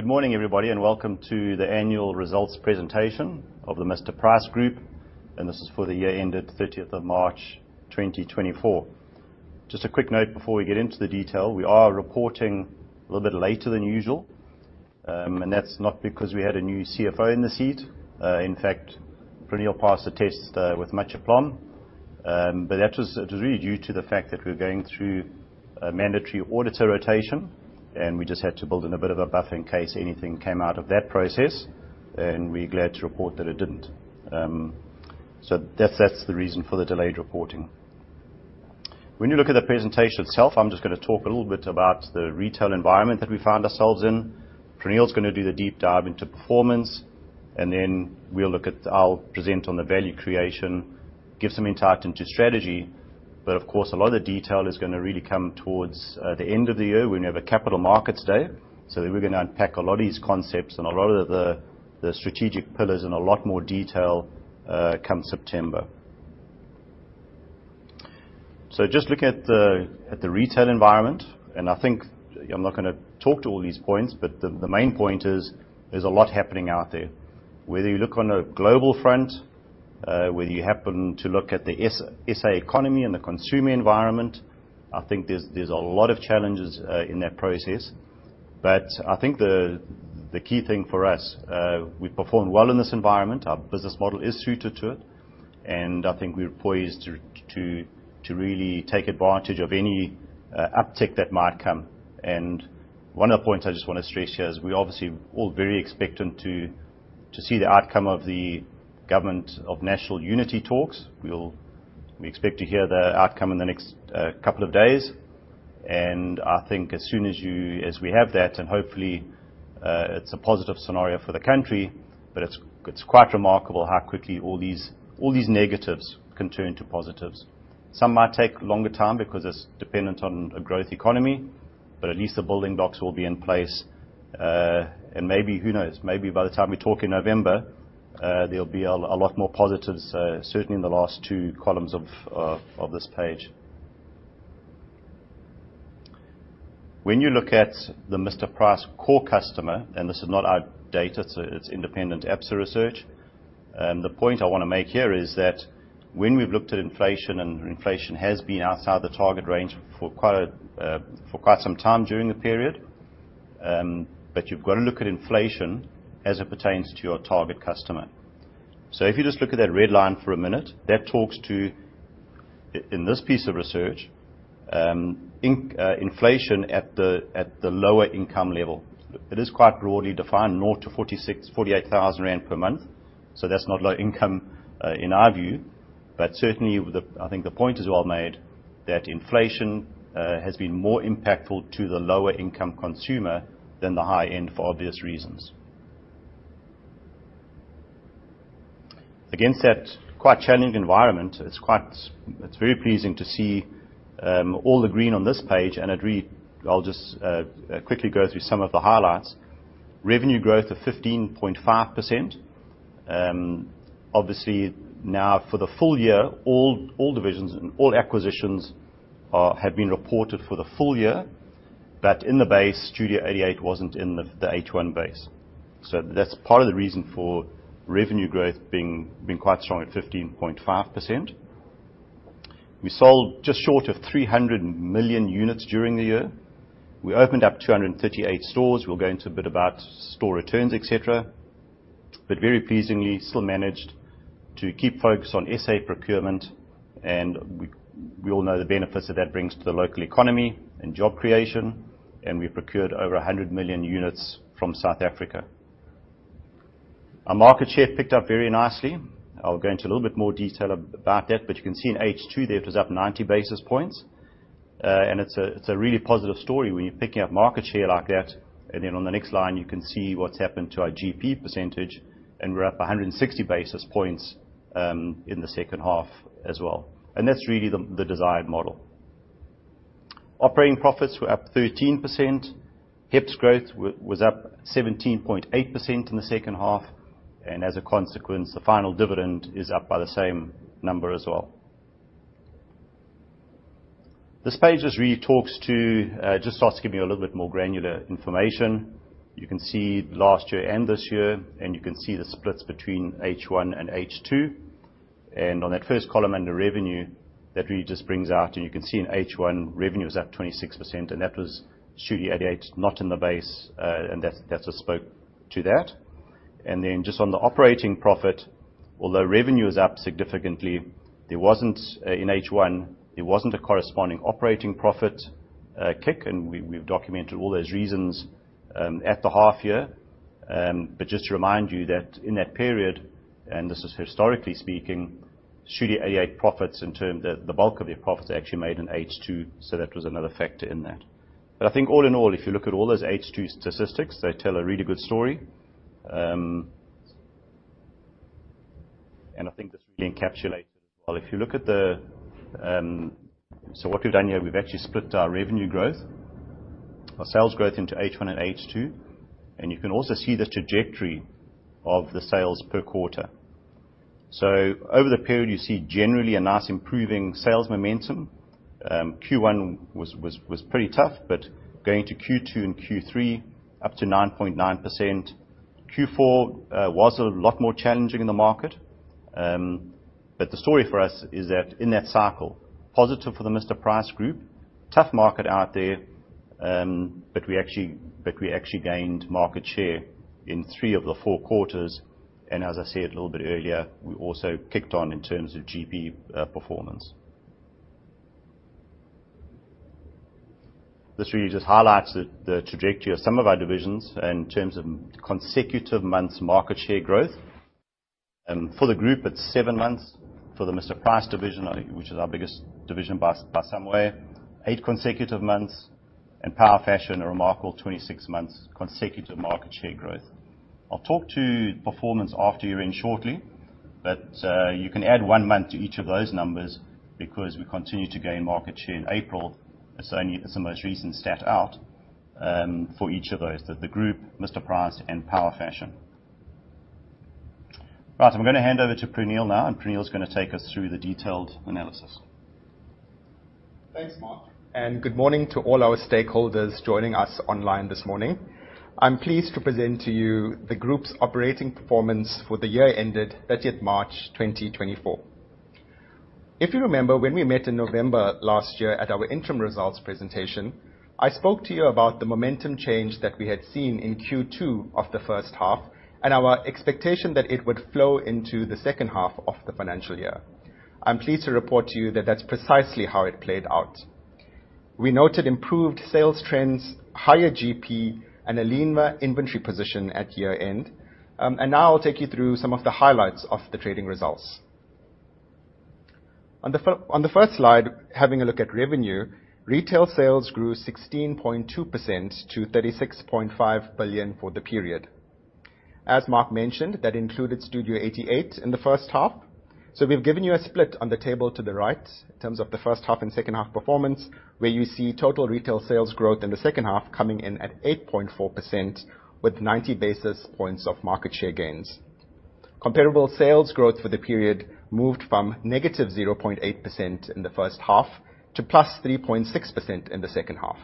Good morning, everybody, and welcome to the annual results presentation of the Mr Price Group, and this is for the year ended 30th of March, 2024. Just a quick note before we get into the detail. We are reporting a little bit later than usual, and that's not because we had a new CFO in the seat. In fact, Praneel passed the test, with much aplomb. But that was really due to the fact that we're going through a mandatory auditor rotation, and we just had to build in a bit of a buffer in case anything came out of that process, and we're glad to report that it didn't. So that's the reason for the delayed reporting. When you look at the presentation itself, I'm just gonna talk a little bit about the retail environment that we find ourselves in. Praneel's gonna do the deep dive into performance, and then we'll look at I'll present on the value creation, give some insight into strategy. But of course, a lot of the detail is gonna really come towards the end of the year when we have a Capital Markets Day. So we're gonna unpack a lot of these concepts and a lot of the strategic pillars in a lot more detail come September. So just looking at the retail environment, and I think I'm not gonna talk to all these points, but the main point is, there's a lot happening out there. Whether you look on a global front, whether you happen to look at the SA economy and the consumer environment, I think there's a lot of challenges in that process. But I think the key thing for us, we perform well in this environment. Our business model is suited to it, and I think we're poised to really take advantage of any uptick that might come. And one of the points I just want to stress here is we're obviously all very expectant to see the outcome of the Government of National Unity talks. We'll—we expect to hear the outcome in the next couple of days, and I think as soon as we have that, and hopefully it's a positive scenario for the country, but it's quite remarkable how quickly all these negatives can turn to positives. Some might take longer time because it's dependent on a growth economy, but at least the building blocks will be in place. And maybe, who knows? Maybe by the time we talk in November, there'll be a lot more positives, certainly in the last two columns of this page. When you look at the Mr Price core customer, and this is not our data, it's independent Absa research. The point I want to make here is that when we've looked at inflation, and inflation has been outside the target range for quite some time during the period, but you've got to look at inflation as it pertains to your target customer. If you just look at that red line for a minute, that talks to, in this piece of research, inflation at the lower income level. It is quite broadly defined, 0 to 46,000-48,000 rand per month, so that's not low income, in our view. But certainly, I think the point is well made, that inflation has been more impactful to the lower income consumer than the high end, for obvious reasons. Against that quite challenging environment, it's very pleasing to see all the green on this page. And it really, I'll just quickly go through some of the highlights. Revenue growth of 15.5%. Obviously now for the full year, all divisions and all acquisitions have been reported for the full year. But in the base, Studio 88 wasn't in the H1 base. So that's part of the reason for revenue growth being quite strong at 15.5%. We sold just short of 300 million units during the year. We opened up 238 stores. We'll go into a bit about store returns, et cetera. But very pleasingly, still managed to keep focused on SA procurement, and we all know the benefits that that brings to the local economy and job creation, and we procured over 100 million units from South Africa. Our market share picked up very nicely. I'll go into a little bit more detail about that, but you can see in H2 there, it was up 90 basis points. And it's a really positive story when you're picking up market share like that. And then on the next line, you can see what's happened to our GP percentage, and we're up 160 basis points in the second half as well. And that's really the desired model. Operating profits were up 13%. HEPS growth was up 17.8% in the second half, and as a consequence, the final dividend is up by the same number as well. This page just really talks to just starts to give you a little bit more granular information. You can see last year and this year, and you can see the splits between H1 and H2. And on that first column, under revenue, that really just brings out, and you can see in H1, revenue is up 26%, and that was Studio 88 not in the base, and that, that speaks to that. And then, just on the operating profit, although revenue is up significantly, there wasn't in H1, there wasn't a corresponding operating profit, and we've we've documented all those reasons at the half year. But just to remind you that in that period, and this is historically speaking, Studio 88 profits in terms of the bulk of their profits are actually made in H2, so that was another factor in that. But I think all in all, if you look at all those H2 statistics, they tell a really good story. And I think this really encapsulates it well. So what we've done here, we've actually split our revenue growth, our sales growth into H1 and H2, and you can also see the trajectory of the sales per quarter. So over the period, you see generally a nice improving sales momentum. Q1 was pretty tough, but going to Q2 and Q3, up to 9.9%. Q4 was a lot more challenging in the market. But the story for us is that in that cycle, positive for the Mr Price Group, tough market out there, but we actually gained market share in three of the four quarters, and as I said a little bit earlier, we also kicked on in terms of GP performance. This really just highlights the trajectory of some of our divisions in terms of consecutive months market share growth. For the group, it's seven months. For the Mr Price division, which is our biggest division by some way, eight consecutive months, and Power Fashion, a remarkable 26 months consecutive market share growth. I'll talk to performance after year-end shortly, but you can add one month to each of those numbers because we continue to gain market share in April. It's the only. It's the most recent stat out for each of those, the group, Mr Price, and Power Fashion. Right, I'm going to hand over to Praneel now, and Praneel is going to take us through the detailed analysis. Thanks, Mark, and good morning to all our stakeholders joining us online this morning. I'm pleased to present to you the group's operating performance for the year ended thirtieth March 2024. If you remember, when we met in November last year at our interim results presentation, I spoke to you about the momentum change that we had seen in Q2 of the first half, and our expectation that it would flow into the second half of the financial year. I'm pleased to report to you that that's precisely how it played out. We noted improved sales trends, higher GP, and a leaner inventory position at year-end. And now I'll take you through some of the highlights of the trading results. On the first slide, having a look at revenue, retail sales grew 16.2% to 36.5 billion for the period. As Mark mentioned, that included Studio 88 in the first half, so we've given you a split on the table to the right in terms of the first half and second half performance, where you see total retail sales growth in the second half coming in at 8.4% with 90 basis points of market share gains. Comparable sales growth for the period moved from -0.8% in the first half to +3.6% in the second half.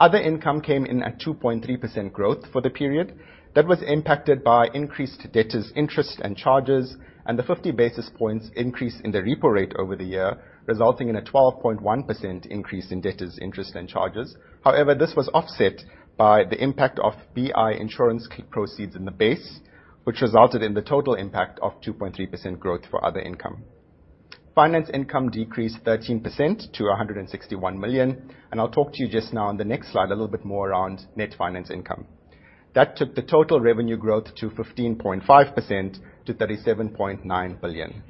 Other income came in at 2.3% growth for the period. That was impacted by increased debtors' interest and charges, and the 50 basis points increase in the repo rate over the year, resulting in a 12.1% increase in debtors' interest and charges. However, this was offset by the impact of BI insurance proceeds in the base, which resulted in the total impact of 2.3% growth for other income. Finance income decreased 13% to 161 million, and I'll talk to you just now on the next slide a little bit more around net finance income. That took the total revenue growth to 15.5% to ZAR 37.9 billion.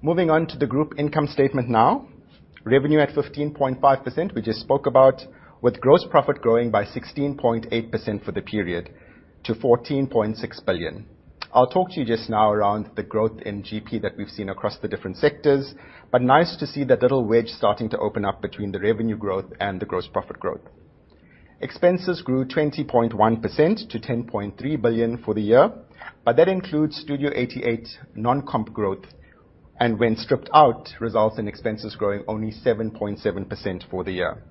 Moving on to the group income statement now. Revenue at 15.5%, we just spoke about, with gross profit growing by 16.8% for the period to 14.6 billion. I'll talk to you just now around the growth in GP that we've seen across the different sectors, but nice to see that little wedge starting to open up between the revenue growth and the gross profit growth. Expenses grew 20.1% to 10.3 billion for the year, but that includes Studio 88 non-comp growth, and when stripped out, results in expenses growing only 7.7% for the year.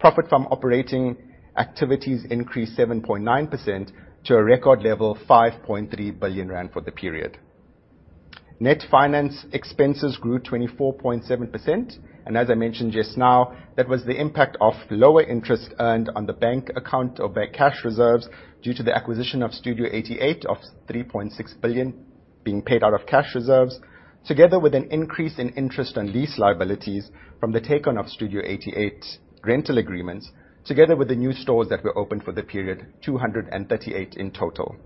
Profit from operating activities increased 7.9% to a record level of 5.3 billion rand for the period. Net finance expenses grew 24.7%, and as I mentioned just now, that was the impact of lower interest earned on the bank account of their cash reserves due to the acquisition of Studio 88 of 3.6 billion being paid out of cash reserves, together with an increase in interest on lease liabilities from the take-on of Studio 88 rental agreements, together with the new stores that were opened for the period, 238 in total.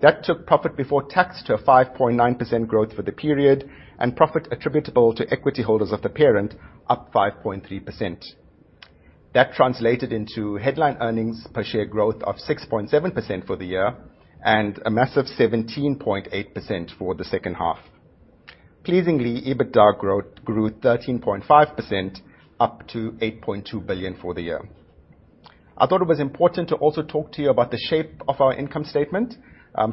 That took profit before tax to a 5.9% growth for the period, and profit attributable to equity holders of the parent, up 5.3%. That translated into headline earnings per share growth of 6.7% for the year, and a massive 17.8% for the second half. Pleasingly, EBITDA growth grew 13.5%, up to 8.2 billion for the year. I thought it was important to also talk to you about the shape of our income statement,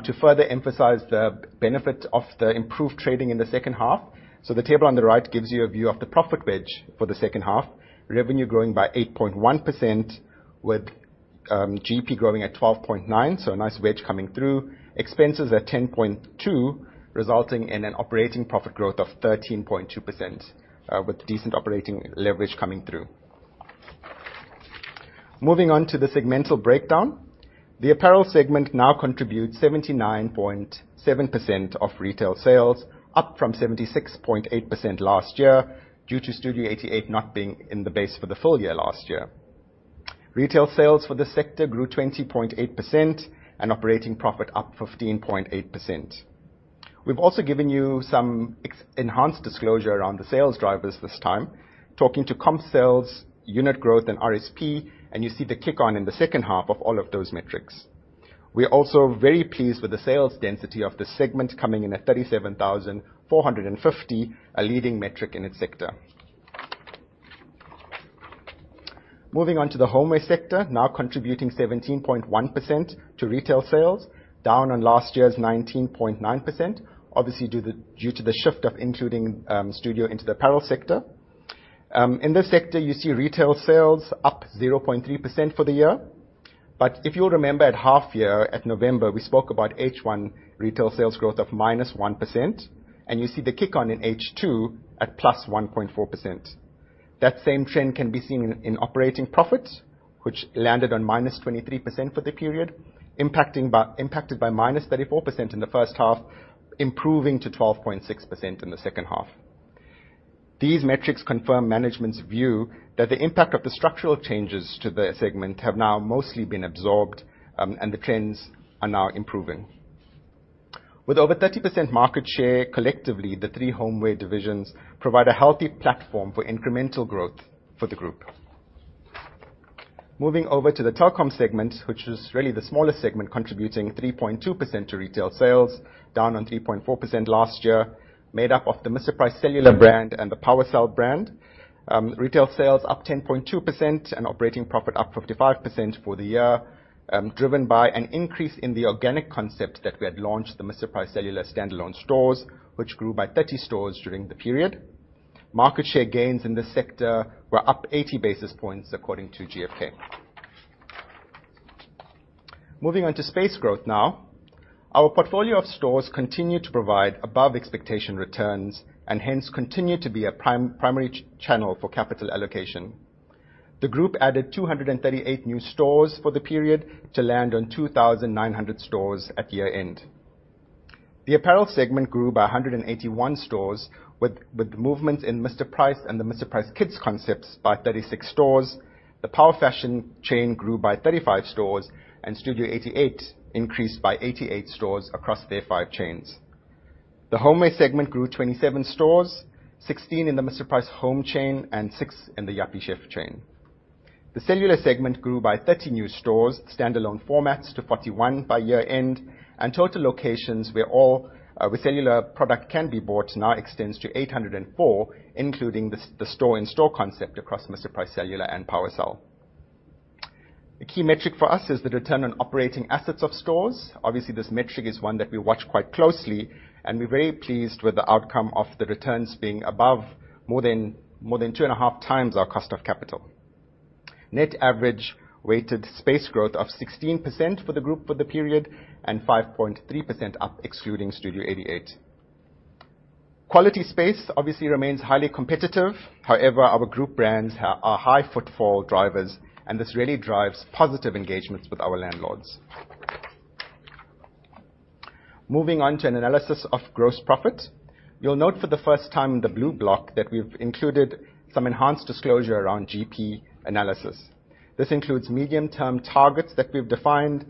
to further emphasize the benefit of the improved trading in the second half. So the table on the right gives you a view of the profit wedge for the second half. Revenue growing by 8.1%, with GP growing at 12.9, so a nice wedge coming through. Expenses at 10.2, resulting in an operating profit growth of 13.2%, with decent operating leverage coming through. Moving on to the segmental breakdown. The apparel segment now contributes 79.7% of retail sales, up from 76.8% last year, due to Studio 88 not being in the base for the full year last year. Retail sales for this sector grew 20.8%, and operating profit up 15.8%. We've also given you some enhanced disclosure around the sales drivers this time, talking to comp sales, unit growth, and RSP, and you see the kick on in the second half of all of those metrics. We are also very pleased with the sales density of the segment coming in at 37,450, a leading metric in its sector. Moving on to the homeware sector, now contributing 17.1% to retail sales, down on last year's 19.9%, obviously due to, due to the shift of including Studio into the apparel sector. In this sector, you see retail sales up 0.3% for the year. But if you'll remember at half year, at November, we spoke about H1 retail sales growth of -1%, and you see the kick on in H2 at +1.4%. That same trend can be seen in operating profits, which landed on -23% for the period, impacted by -34% in the first half, improving to 12.6% in the second half. These metrics confirm management's view that the impact of the structural changes to the segment have now mostly been absorbed, and the trends are now improving. With over 30% market share, collectively, the three homeware divisions provide a healthy platform for incremental growth for the group. Moving over to the telecom segment, which is really the smallest segment, contributing 3.2% to retail sales, down on 3.4% last year, made up of the Mr Price Cellular brand and the Power Cell brand. Retail sales up 10.2% and operating profit up 55% for the year, driven by an increase in the organic concept that we had launched, the Mr Price Cellular standalone stores, which grew by 30 stores during the period. Market share gains in this sector were up 80 basis points, according to GfK. Moving on to space growth now. Our portfolio of stores continued to provide above-expectation returns and hence continued to be a primary channel for capital allocation. The group added 238 new stores for the period to land on 2,900 stores at year-end. The apparel segment grew by 181 stores, with movements in Mr Price and the Mr Price Kids concepts by 36 stores. The Power Fashion chain grew by 35 stores, and Studio 88 increased by 88 stores across their five chains. The homeware segment grew 27 stores, 16 in the Mr Price Home chain and six in the Yuppiechef chain. The cellular segment grew by 30 new stores, standalone formats to 41 by year-end, and total locations where all, where cellular product can be bought now extends to 804, including the store-in-store concept across Mr Price Cellular and Power Cell. A key metric for us is the return on operating assets of stores. Obviously, this metric is one that we watch quite closely, and we're very pleased with the outcome of the returns being above more than, more than 2.5 times our cost of capital. Net average weighted space growth of 16% for the group for the period and 5.3% up excluding Studio 88. Quality space obviously remains highly competitive. However, our group brands are high footfall drivers, and this really drives positive engagements with our landlords. Moving on to an analysis of gross profit. You'll note for the first time in the blue block that we've included some enhanced disclosure around GP analysis. This includes medium-term targets that we've defined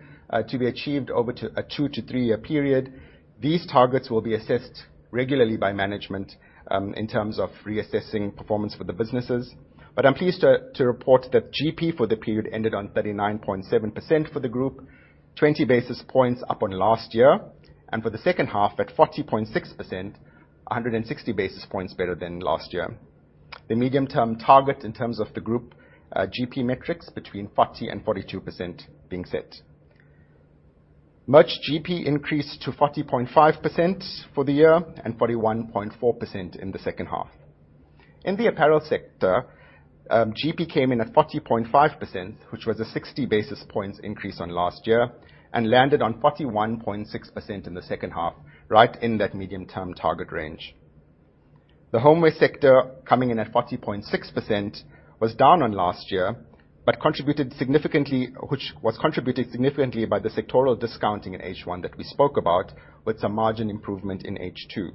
to be achieved over a 2-3-year period. These targets will be assessed regularly by management in terms of reassessing performance for the businesses. But I'm pleased to report that GP for the period ended on 39.7% for the group, 20 basis points up on last year, and for the second half, at 40.6%, 160 basis points better than last year. The medium-term target in terms of the group GP metrics, between 40% and 42% being set. Merch GP increased to 40.5% for the year and 41.4% in the second half. In the apparel sector, GP came in at 40.5%, which was a 60 basis points increase on last year, and landed on 41.6% in the second half, right in that medium-term target range. The homeware sector, coming in at 40.6%, was down on last year, but contributed significantly, which was contributed significantly by the sectoral discounting in H1 that we spoke about, with some margin improvement in H2.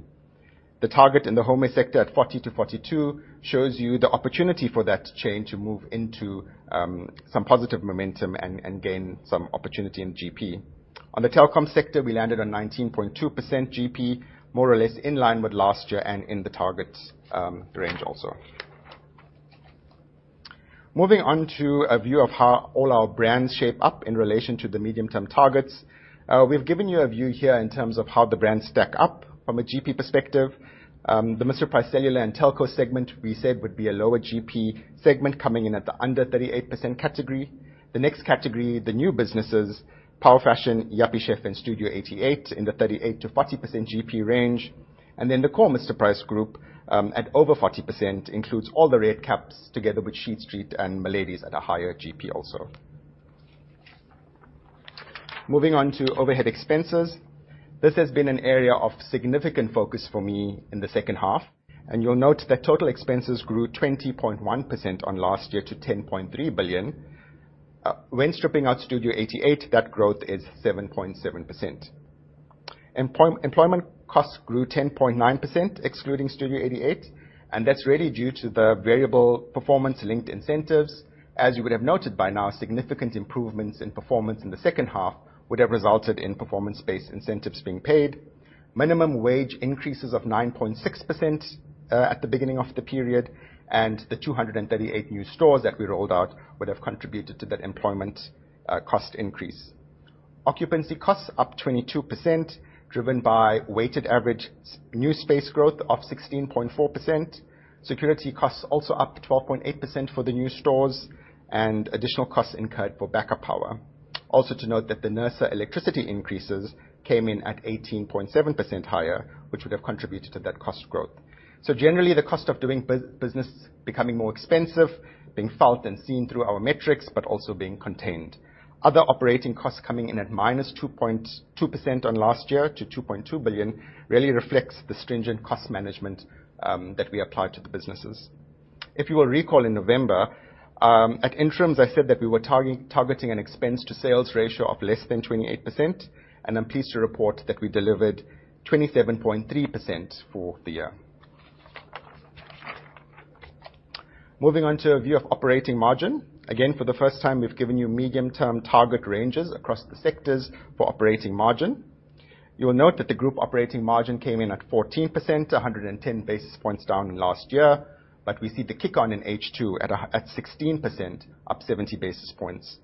The target in the homeware sector at 40%-42% shows you the opportunity for that chain to move into some positive momentum and gain some opportunity in GP. On the telecom sector, we landed on 19.2% GP, more or less in line with last year and in the targets range also. Moving on to a view of how all our brands shape up in relation to the medium-term targets. We've given you a view here in terms of how the brands stack up from a GP perspective. The Mr Price Cellular and Telco segment we said would be a lower GP segment, coming in at the under 38% category. The next category, the new businesses, Power Fashion, Yuppiechef, and Studio 88, in the 38%-40% GP range. And then the core Mr Price Group, at over 40%, includes all the Red Caps together with Sheet Street and Miladys at a higher GP also. Moving on to overhead expenses. This has been an area of significant focus for me in the second half, and you'll note that total expenses grew 20.1% on last year to 10.3 billion. When stripping out Studio 88, that growth is 7.7%. Employment costs grew 10.9%, excluding Studio 88, and that's really due to the variable performance-linked incentives. As you would have noted by now, significant improvements in performance in the second half would have resulted in performance-based incentives being paid. Minimum wage increases of 9.6% at the beginning of the period, and the 238 new stores that we rolled out would have contributed to that employment cost increase. Occupancy costs up 22%, driven by weighted average new space growth of 16.4%. Security costs also up 12.8% for the new stores, and additional costs incurred for backup power. Also to note that the NERSA electricity increases came in at 18.7% higher, which would have contributed to that cost growth. So generally, the cost of doing business becoming more expensive, being felt and seen through our metrics, but also being contained. Other operating costs coming in at -2.2% on last year to 2.2 billion, really reflects the stringent cost management that we apply to the businesses. If you will recall, in November, at interims, I said that we were targeting an expense to sales ratio of less than 28%, and I'm pleased to report that we delivered 27.3% for the year. Moving on to a view of operating margin. Again, for the first time, we've given you medium-term target ranges across the sectors for operating margin. You will note that the group operating margin came in at 14%, 110 basis points down in last year, but we see the kick on in H2 at sixteen percent, up 70 basis points.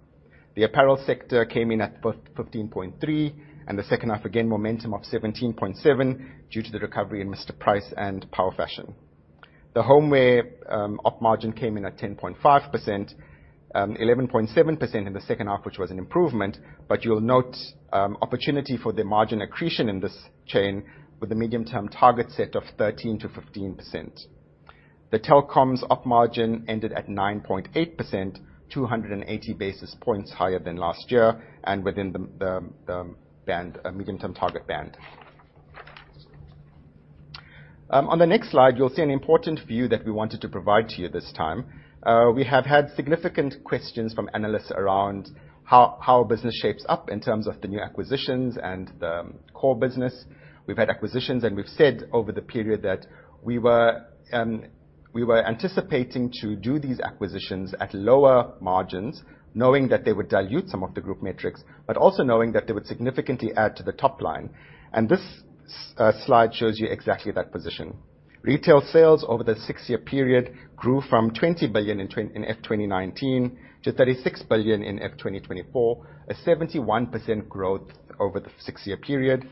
The apparel sector came in at fifteen point three, and the second half, again, momentum of 17.7, due to the recovery in Mr Price and Power Fashion. The homeware op margin came in at 10.5%, 11.7% in the second half, which was an improvement, but you'll note opportunity for the margin accretion in this chain with the medium-term target set of 13%-15%. The telecoms op margin ended at 9.8%, 280 basis points higher than last year, and within the band, medium-term target band. On the next slide, you'll see an important view that we wanted to provide to you this time. We have had significant questions from analysts around how business shapes up in terms of the new acquisitions and the core business. We've had acquisitions, and we've said over the period that we were anticipating to do these acquisitions at lower margins, knowing that they would dilute some of the group metrics, but also knowing that they would significantly add to the top line. This slide shows you exactly that position. Retail sales over the six-year period grew from 20 billion in FY2019 to 36 billion in FY2024, a 71% growth over the six-year period.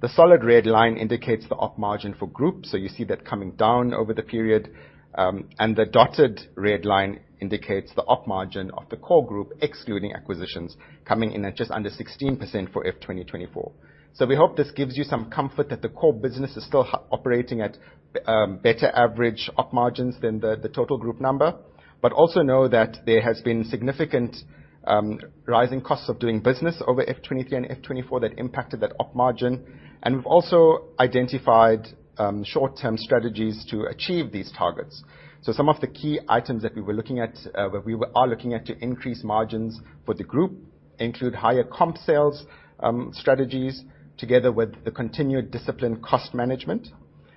The solid red line indicates the op margin for group, so you see that coming down over the period. And the dotted red line indicates the op margin of the core group, excluding acquisitions, coming in at just under 16% for FY2024. So we hope this gives you some comfort that the core business is still operating at better average op margins than the total group number, but also know that there has been significant rising costs of doing business over FY2023 and FY2024 that impacted that op margin. And we've also identified short-term strategies to achieve these targets. So some of the key items that we were looking at, well, we are looking at to increase margins for the group include higher comp sales strategies, together with the continued discipline cost management.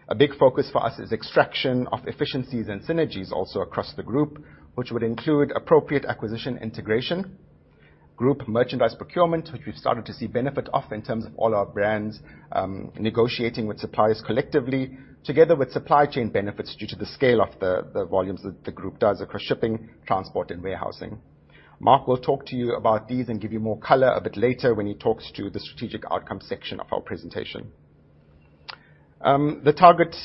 A big focus for us is extraction of efficiencies and synergies also across the group, which would include appropriate acquisition integration, group merchandise procurement, which we've started to see benefit of in terms of all our brands, negotiating with suppliers collectively, together with supply chain benefits, due to the scale of the volumes that the group does across shipping, transport, and warehousing. Mark will talk to you about these and give you more color a bit later when he talks to the strategic outcome section of our presentation. The target,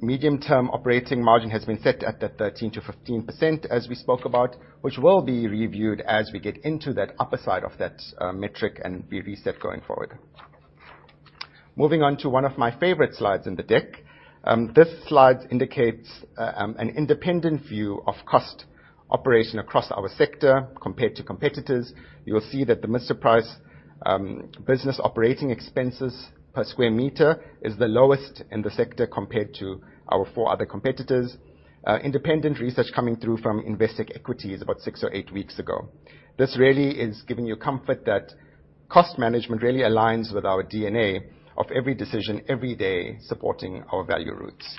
medium-term operating margin has been set at the 13%-15%, as we spoke about, which will be reviewed as we get into that upper side of that, metric, and be reset going forward. Moving on to one of my favorite slides in the deck. This slide indicates an independent view of cost operation across our sector compared to competitors. You will see that the Mr Price business operating expenses per square meter is the lowest in the sector, compared to our four other competitors. Independent research coming through from Investec Equity is about six or eight weeks ago. This really is giving you comfort that cost management really aligns with our DNA of every decision, every day, supporting our value roots.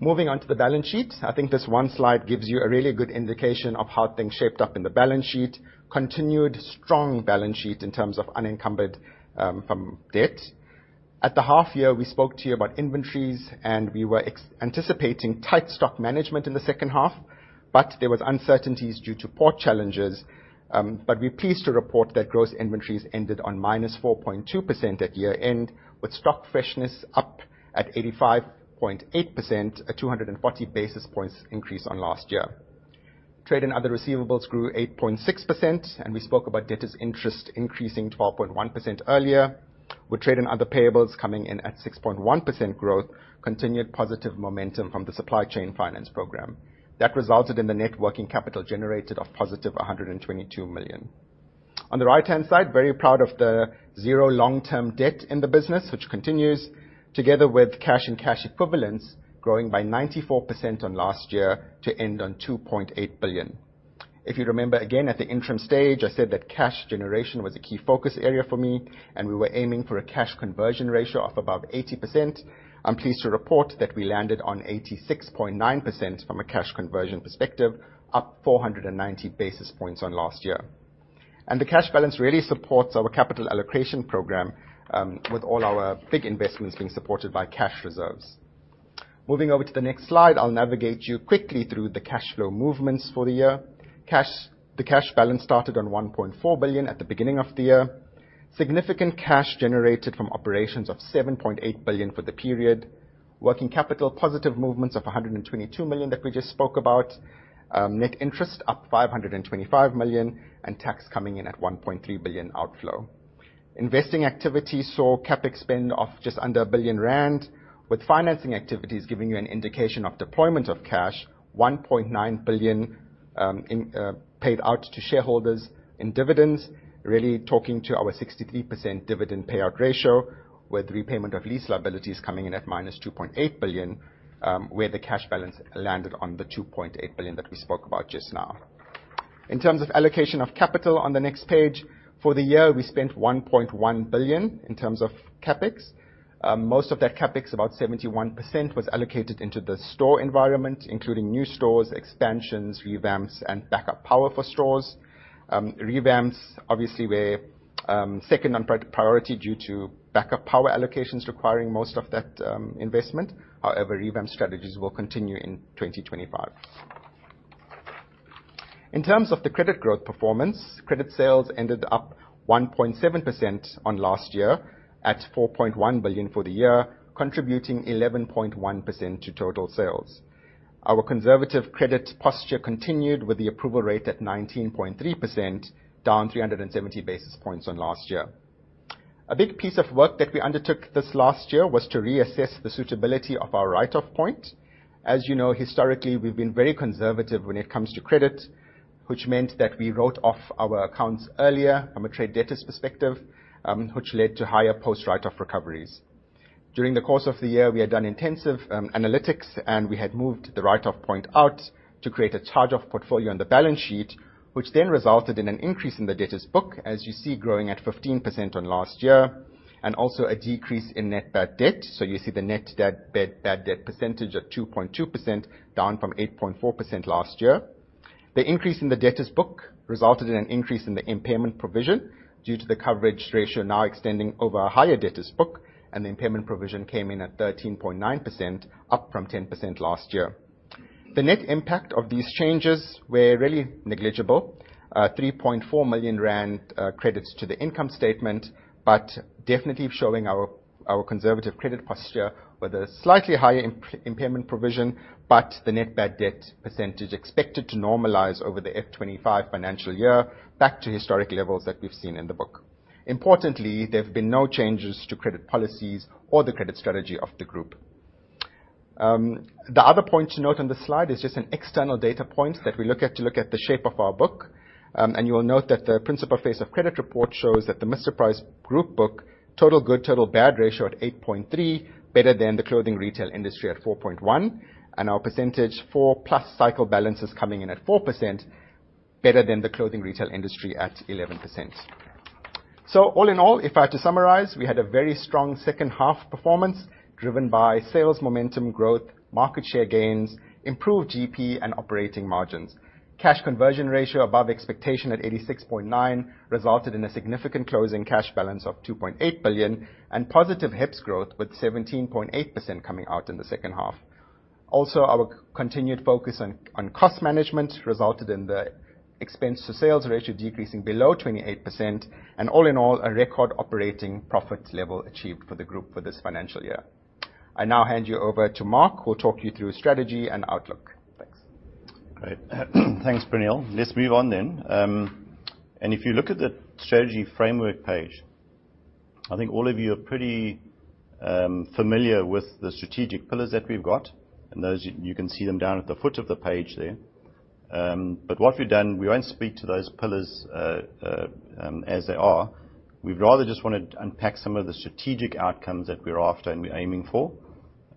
Moving on to the balance sheet. I think this one slide gives you a really good indication of how things shaped up in the balance sheet. Continued strong balance sheet in terms of unencumbered debt. At the half year, we spoke to you about inventories, and we were anticipating tight stock management in the second half, but there was uncertainties due to port challenges. But we're pleased to report that gross inventories ended on -4.2% at year-end, with stock freshness up at 85.8%, a 240 basis points increase on last year. Trade and other receivables grew 8.6%, and we spoke about debtors' interest increasing 12.1% earlier, with trade and other payables coming in at 6.1% growth, continued positive momentum from the supply chain finance program. That resulted in the net working capital generated of positive 122 million. On the right-hand side, very proud of the 0 long-term debt in the business, which continues, together with cash and cash equivalents, growing by 94% on last year to end on 2.8 billion. If you remember, again, at the interim stage, I said that cash generation was a key focus area for me, and we were aiming for a cash conversion ratio of above 80%. I'm pleased to report that we landed on 86.9% from a cash conversion perspective, up 490 basis points on last year. The cash balance really supports our capital allocation program, with all our big investments being supported by cash reserves. Moving over to the next slide, I'll navigate you quickly through the cash flow movements for the year. The cash balance started on 1.4 billion at the beginning of the year. Significant cash generated from operations of 7.8 billion for the period. Working capital, positive movements of 122 million that we just spoke about. Net interest, up 525 million, and tax coming in at 1.3 billion outflow. Investing activity saw CapEx spend of just under 1 billion rand, with financing activities giving you an indication of deployment of cash, 1.9 billion paid out to shareholders in dividends, really talking to our 63% dividend payout ratio, with repayment of lease liabilities coming in at -2.8 billion, where the cash balance landed on the 2.8 billion that we spoke about just now. In terms of allocation of capital, on the next page, for the year, we spent 1.1 billion in terms of CapEx. Most of that CapEx, about 71%, was allocated into the store environment, including new stores, expansions, revamps, and backup power for stores. Revamps, obviously, were second on priority due to backup power allocations requiring most of that investment. However, revamp strategies will continue in 2025. In terms of the credit growth performance, credit sales ended up 1.7% on last year, at 4.1 billion for the year, contributing 11.1% to total sales. Our conservative credit posture continued with the approval rate at 19.3%, down 370 basis points on last year. A big piece of work that we undertook this last year was to reassess the suitability of our write-off point. As you know, historically, we've been very conservative when it comes to credit, which meant that we wrote off our accounts earlier from a trade debtors perspective, which led to higher post-write-off recoveries. During the course of the year, we had done intensive analytics, and we had moved the write-off point out to create a charge-off portfolio on the balance sheet, which then resulted in an increase in the debtors book, as you see growing at 15% on last year, and also a decrease in net bad debt. So you see the net bad debt percentage at 2.2%, down from 8.4% last year. The increase in the debtors book resulted in an increase in the impairment provision due to the coverage ratio now extending over a higher debtors book, and the impairment provision came in at 13.9%, up from 10% last year. The net impact of these changes were really negligible. 3.4 million rand credits to the income statement, but definitely showing our conservative credit posture with a slightly higher impairment provision, but the net bad debt percentage expected to normalize over the FY 2025 financial year back to historic levels that we've seen in the book. Importantly, there have been no changes to credit policies or the credit strategy of the group. The other point to note on this slide is just an external data point that we look at the shape of our book. And you will note that the Principa Paces of credit report shows that the Mr Price Group book, total good/total bad ratio at 8.3, better than the clothing retail industry at 4.1, and our percentage four-plus cycle balance is coming in at 4%, better than the clothing retail industry at 11%. So all in all, if I had to summarize, we had a very strong second half performance, driven by sales momentum growth, market share gains, improved GP and operating margins. Cash conversion ratio above expectation at 86.9 resulted in a significant closing cash balance of 2.8 billion, and positive HEPS growth, with 17.8% coming out in the second half. Also, our continued focus on cost management resulted in the expense to sales ratio decreasing below 28%, and all in all, a record operating profit level achieved for the group for this financial year. I now hand you over to Mark, who will talk you through strategy and outlook. Thanks. Great. Thanks, Praneel. Let's move on then. And if you look at the strategy framework page, I think all of you are pretty familiar with the strategic pillars that we've got, and those, you can see them down at the foot of the page there. But what we've done, we won't speak to those pillars as they are. We'd rather just want to unpack some of the strategic outcomes that we're after and we're aiming for.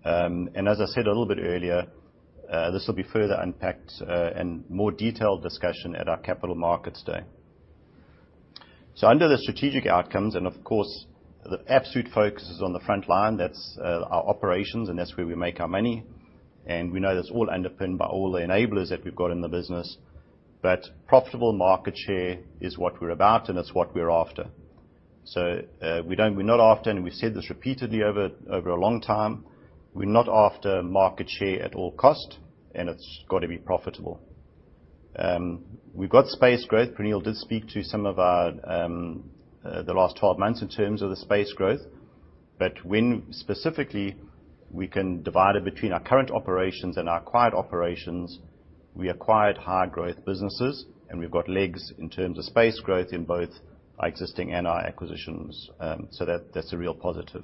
And as I said a little bit earlier, this will be further unpacked in more detailed discussion at our Capital Markets Day. So under the strategic outcomes, and of course, the absolute focus is on the front line, that's our operations, and that's where we make our money, and we know that's all underpinned by all the enablers that we've got in the business. But profitable market share is what we're about, and it's what we're after. So, we're not after, and we've said this repeatedly over a long time, we're not after market share at all cost, and it's got to be profitable. We've got space growth. Praneel did speak to some of our, the last 12 months in terms of the space growth, but specifically, we can divide it between our current operations and our acquired operations. We acquired high growth businesses, and we've got legs in terms of space growth in both our existing and our acquisitions, so that, that's a real positive.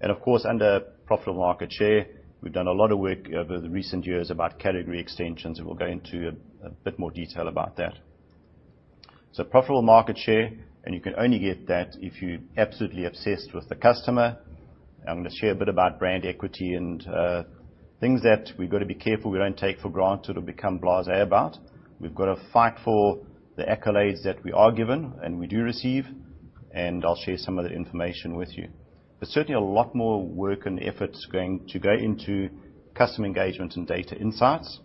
And of course, under profitable market share, we've done a lot of work over the recent years about category extensions, and we'll go into a bit more detail about that. So profitable market share, and you can only get that if you're absolutely obsessed with the customer. I'm going to share a bit about brand equity and, things that we've got to be careful we don't take for granted or become blasé about. We've got to fight for the accolades that we are given and we do receive, and I'll share some of the information with you. There's certainly a lot more work and efforts going to go into customer engagement and data insights.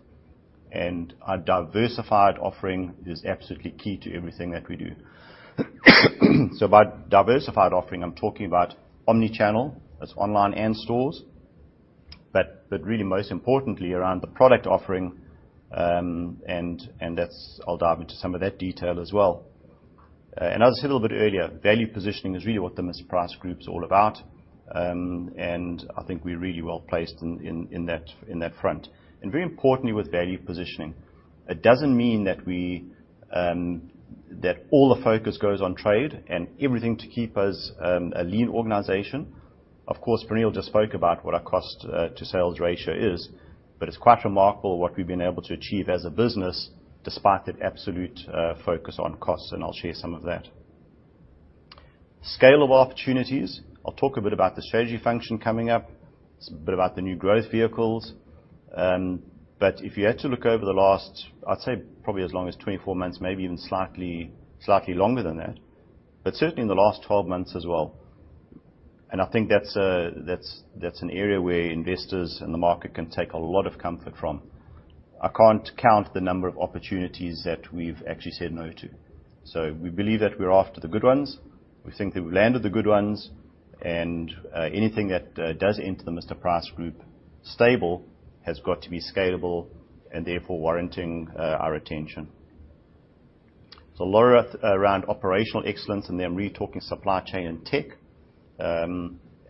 And our diversified offering is absolutely key to everything that we do. So by diversified offering, I'm talking about omni-channel, that's online and stores. But really most importantly, around the product offering, and that's. I'll dive into some of that detail as well. And as I said a little bit earlier, value positioning is really what the Mr Price Group is all about, and I think we're really well placed in that front. And very importantly, with value positioning, it doesn't mean that we, that all the focus goes on trade and everything to keep us a lean organization. Of course, Praneel just spoke about what our cost to sales ratio is, but it's quite remarkable what we've been able to achieve as a business, despite that absolute focus on costs, and I'll share some of that. Scale of opportunities. I'll talk a bit about the strategy function coming up, a bit about the new growth vehicles. But if you had to look over the last, I'd say probably as long as 24 months, maybe even slightly, slightly longer than that, but certainly in the last 12 months as well. And I think that's, that's, that's an area where investors and the market can take a lot of comfort from. I can't count the number of opportunities that we've actually said no to. So we believe that we're after the good ones. We think that we've landed the good ones, and anything that does enter the Mr Price Group stable has got to be scalable and therefore warranting our attention. So a lot around operational excellence, and then re-talking supply chain and tech.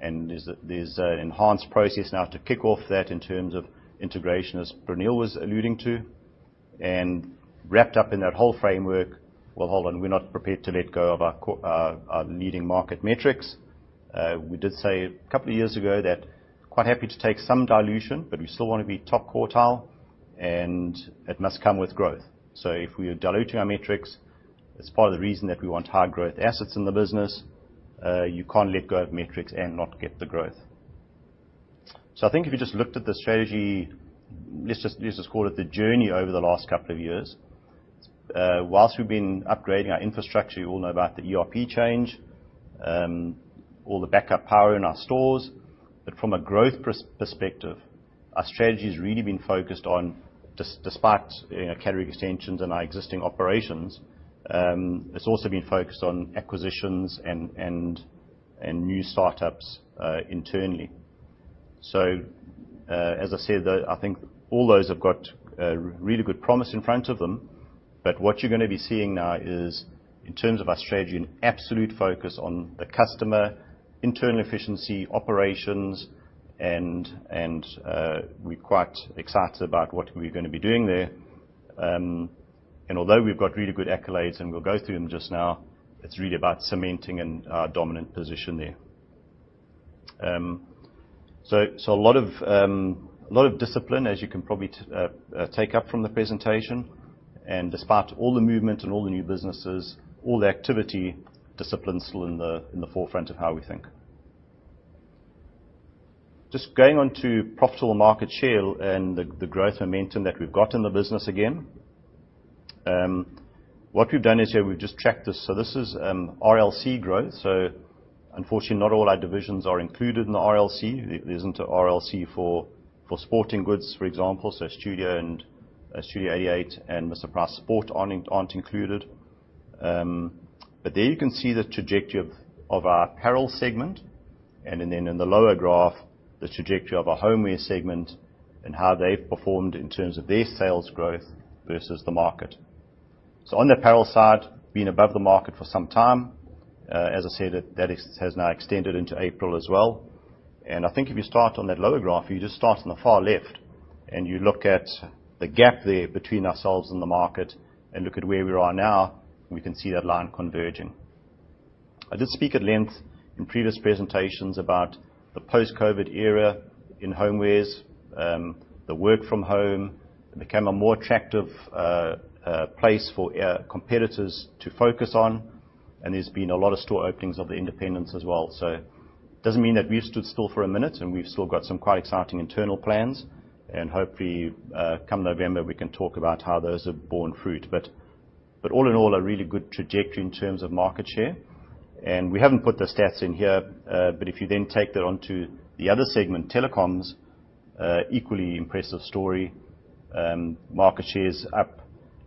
And there's a, there's an enhanced process now to kick off that in terms of integration, as Praneel was alluding to. And wrapped up in that whole framework. Well, hold on, we're not prepared to let go of our leading market metrics. We did say a couple of years ago that quite happy to take some dilution, but we still want to be top quartile, and it must come with growth. So if we are diluting our metrics, it's part of the reason that we want high-growth assets in the business. You can't let go of metrics and not get the growth. So I think if you just looked at the strategy, let's just, let's just call it the journey over the last couple of years. While we've been upgrading our infrastructure, you all know about the ERP change, all the backup power in our stores. But from a growth perspective, our strategy has really been focused on, despite, you know, category extensions and our existing operations, it's also been focused on acquisitions and new startups internally. So, as I said, though, I think all those have got really good promise in front of them. But what you're gonna be seeing now is, in terms of our strategy, an absolute focus on the customer, internal efficiency, operations, and we're quite excited about what we're gonna be doing there. And although we've got really good accolades and we'll go through them just now, it's really about cementing and our dominant position there. So a lot of discipline, as you can probably take up from the presentation. And despite all the movement and all the new businesses, all the activity, discipline is still in the forefront of how we think. Just going on to profitable market share and the growth momentum that we've got in the business again. What we've done is here, we've just tracked this. So this is RLC growth, so unfortunately, not all our divisions are included in the RLC. There isn't a RLC for sporting goods, for example, so Studio and Studio 88 and Mr Price Sport aren't included. But there you can see the trajectory of, of our apparel segment, and then in the lower graph, the trajectory of our homeware segment and how they've performed in terms of their sales growth versus the market. So on the apparel side, being above the market for some time, as I said, that, that has now extended into April as well. And I think if you start on that lower graph, you just start on the far left, and you look at the gap there between ourselves and the market and look at where we are now, we can see that line converging. I did speak at length in previous presentations about the post-COVID era in homewares, the work from home. It became a more attractive place for competitors to focus on, and there's been a lot of store openings of the independents as well. So doesn't mean that we've stood still for a minute, and we've still got some quite exciting internal plans. And hopefully come November, we can talk about how those have borne fruit. But all in all, a really good trajectory in terms of market share. And we haven't put the stats in here, but if you then take that on to the other segment, telecoms, equally impressive story. Market share's up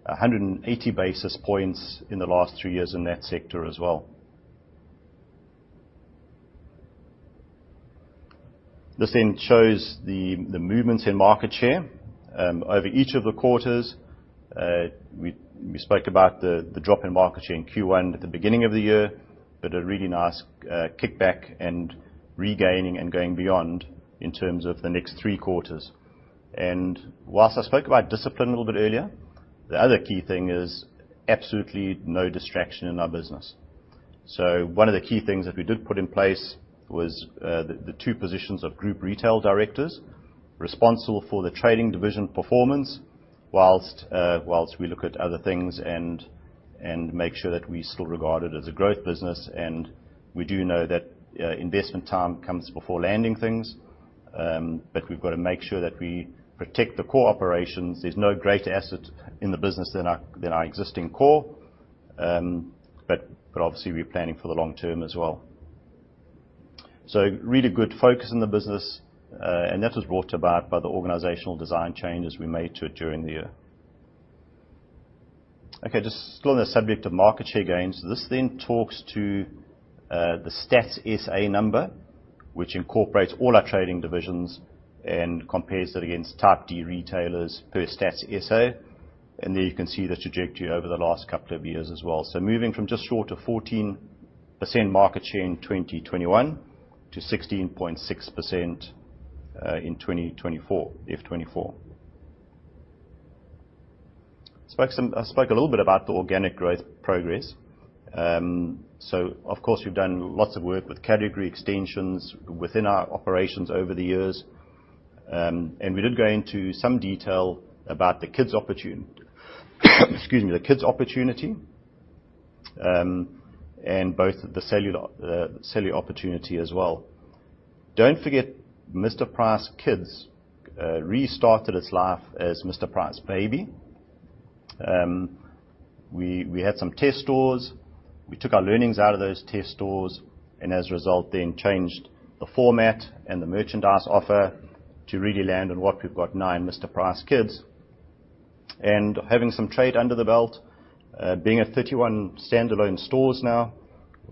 180 basis points in the last three years in that sector as well. This then shows the movements in market share over each of the quarters. We spoke about the drop in market share in Q1 at the beginning of the year, but a really nice kickback and regaining and going beyond in terms of the next three quarters. While I spoke about discipline a little bit earlier, the other key thing is absolutely no distraction in our business. So one of the key things that we did put in place was the two positions of group retail directors, responsible for the trading division performance, while we look at other things and make sure that we still regard it as a growth business. We do know that investment time comes before landing things, but we've got to make sure that we protect the core operations. There's no greater asset in the business than our existing core, but obviously, we're planning for the long term as well. So really good focus in the business, and that was brought about by the organizational design changes we made to it during the year. Okay, just still on the subject of market share gains. This then talks to the Stats SA number, which incorporates all our trading divisions and compares it against Type D retailers per Stats SA. And there you can see the trajectory over the last couple of years as well. So moving from just short of 14% market share in 2021, to 16.6%, in 2024, FY 2024. I spoke a little bit about the organic growth progress. So of course, we've done lots of work with category extensions within our operations over the years. And we did go into some detail about the kids opportunity. Excuse me, the kids opportunity, and both the cellular opportunity as well. Don't forget, Mr Price Kids restarted its life as Mr Price Baby. We had some test stores, we took our learnings out of those test stores, and as a result, then changed the format and the merchandise offer to really land on what we've got now in Mr Price Kids. And having some trade under the belt, being at 31 standalone stores now,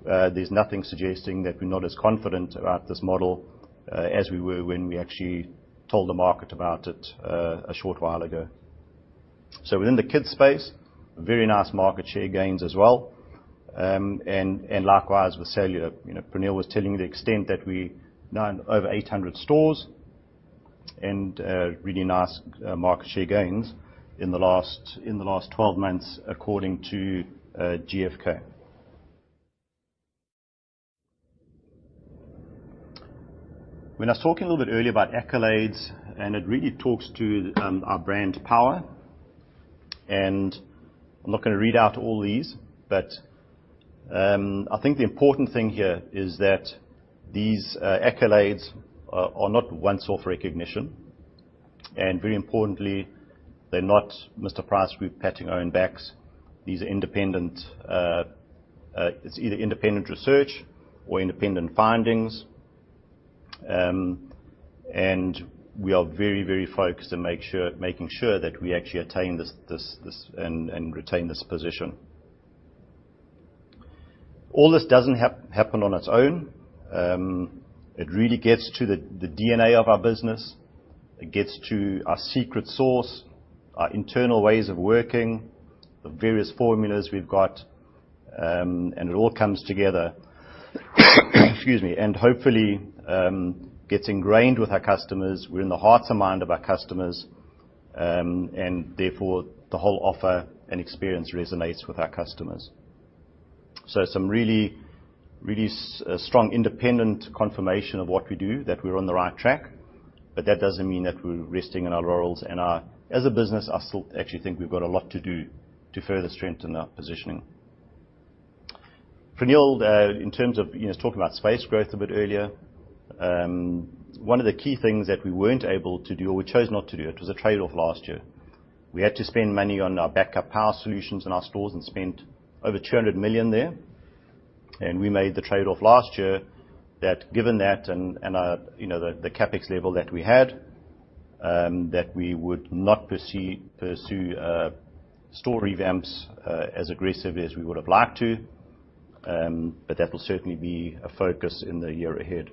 there's nothing suggesting that we're not as confident about this model, as we were when we actually told the market about it, a short while ago. So within the kids' space, very nice market share gains as well. Likewise, with cellular. You know, Praneel was telling you the extent that we now over 800 stores, and really nice market share gains in the last 12 months, according to GfK. When I was talking a little bit earlier about accolades, and it really talks to our brand power, and I'm not gonna read out all these, but I think the important thing here is that these accolades are not once-off recognition. And very importantly, they're not Mr Price, we're patting our own backs. These are independent. It's either independent research or independent findings. And we are very focused to make sure, making sure that we actually attain this and retain this position. All this doesn't happen on its own. It really gets to the DNA of our business. It gets to our secret sauce, our internal ways of working, the various formulas we've got, and it all comes together. Excuse me, and hopefully, gets ingrained with our customers. We're in the hearts and mind of our customers, and therefore, the whole offer and experience resonates with our customers. So some really, really strong independent confirmation of what we do, that we're on the right track, but that doesn't mean that we're resting on our laurels. And, as a business, I still actually think we've got a lot to do to further strengthen our positioning. Pernille, in terms of, you know, talking about space growth a bit earlier, one of the key things that we weren't able to do or we chose not to do, it was a trade-off last year. We had to spend money on our backup power solutions in our stores and spent over 200 million there, and we made the trade-off last year that given that and you know, the CapEx level that we had, that we would not pursue store revamps as aggressively as we would have liked to, but that will certainly be a focus in the year ahead.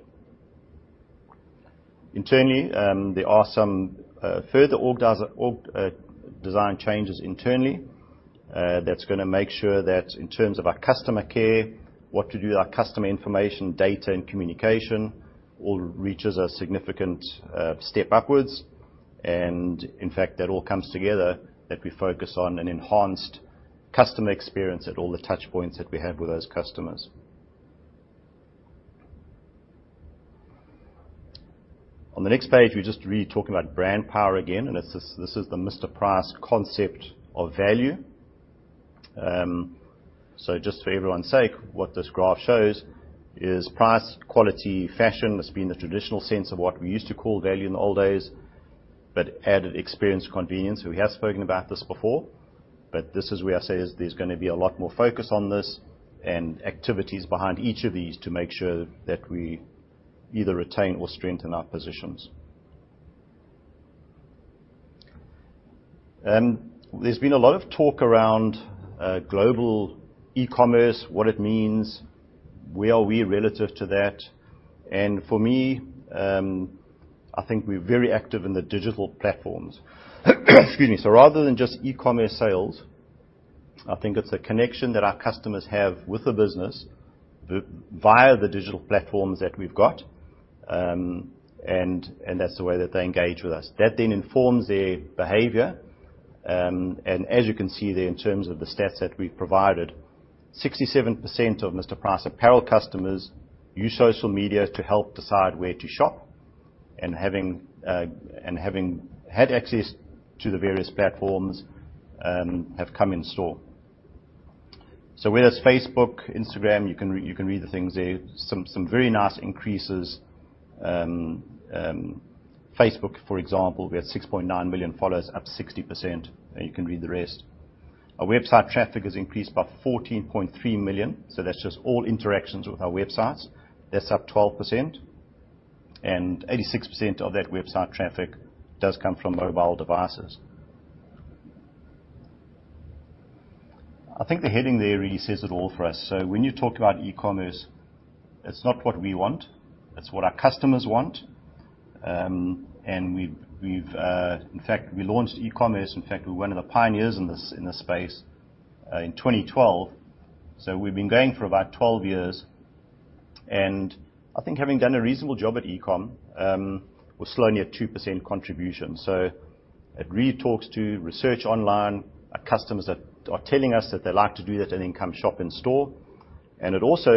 Internally, there are some further design changes internally, that's gonna make sure that in terms of our customer care, what we do with our customer information, data, and communication, all reaches a significant step upwards. And in fact, that all comes together, that we focus on an enhanced customer experience at all the touchpoints that we have with those customers. On the next page, we're just really talking about brand power again, and this is, this is the Mr Price concept of value. So just for everyone's sake, what this graph shows is price, quality, fashion, that's been the traditional sense of what we used to call value in the old days, but added experience, convenience. So we have spoken about this before, but this is where I say is, there's gonna be a lot more focus on this and activities behind each of these to make sure that we either retain or strengthen our positions. There's been a lot of talk around global e-commerce, what it means, where are we relative to that? And for me, I think we're very active in the digital platforms. Excuse me. So rather than just e-commerce sales, I think it's a connection that our customers have with the business, via the digital platforms that we've got, and that's the way that they engage with us. That then informs their behavior. And as you can see there, in terms of the stats that we've provided, 67% of Mr. Price apparel customers use social media to help decide where to shop, and having had access to the various platforms, have come in store. So whether it's Facebook, Instagram, you can read the things there. Some very nice increases. Facebook, for example, we have 6.9 million followers, up 60%, and you can read the rest. Our website traffic has increased by 14.3 million, so that's just all interactions with our websites. That's up 12%, and 86% of that website traffic does come from mobile devices. I think the heading there really says it all for us. So when you talk about e-commerce, it's not what we want, it's what our customers want. And we've. In fact, we launched e-commerce. In fact, we're one of the pioneers in this space in 2012. So we've been going for about 12 years, and I think having done a reasonable job at e-com, we're slowly at 2% contribution. So it really talks to research online. Our customers are telling us that they like to do that and then come shop in store. And it also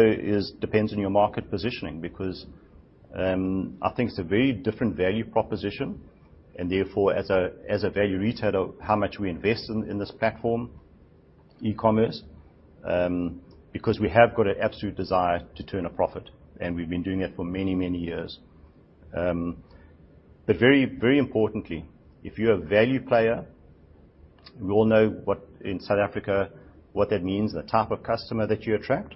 depends on your market positioning, because I think it's a very different value proposition, and therefore, as a value retailer, how much we invest in this platform, e-commerce, because we have got an absolute desire to turn a profit, and we've been doing it for many, many years. But very, very importantly, if you're a value player, we all know what in South Africa, what that means, the type of customer that you attract.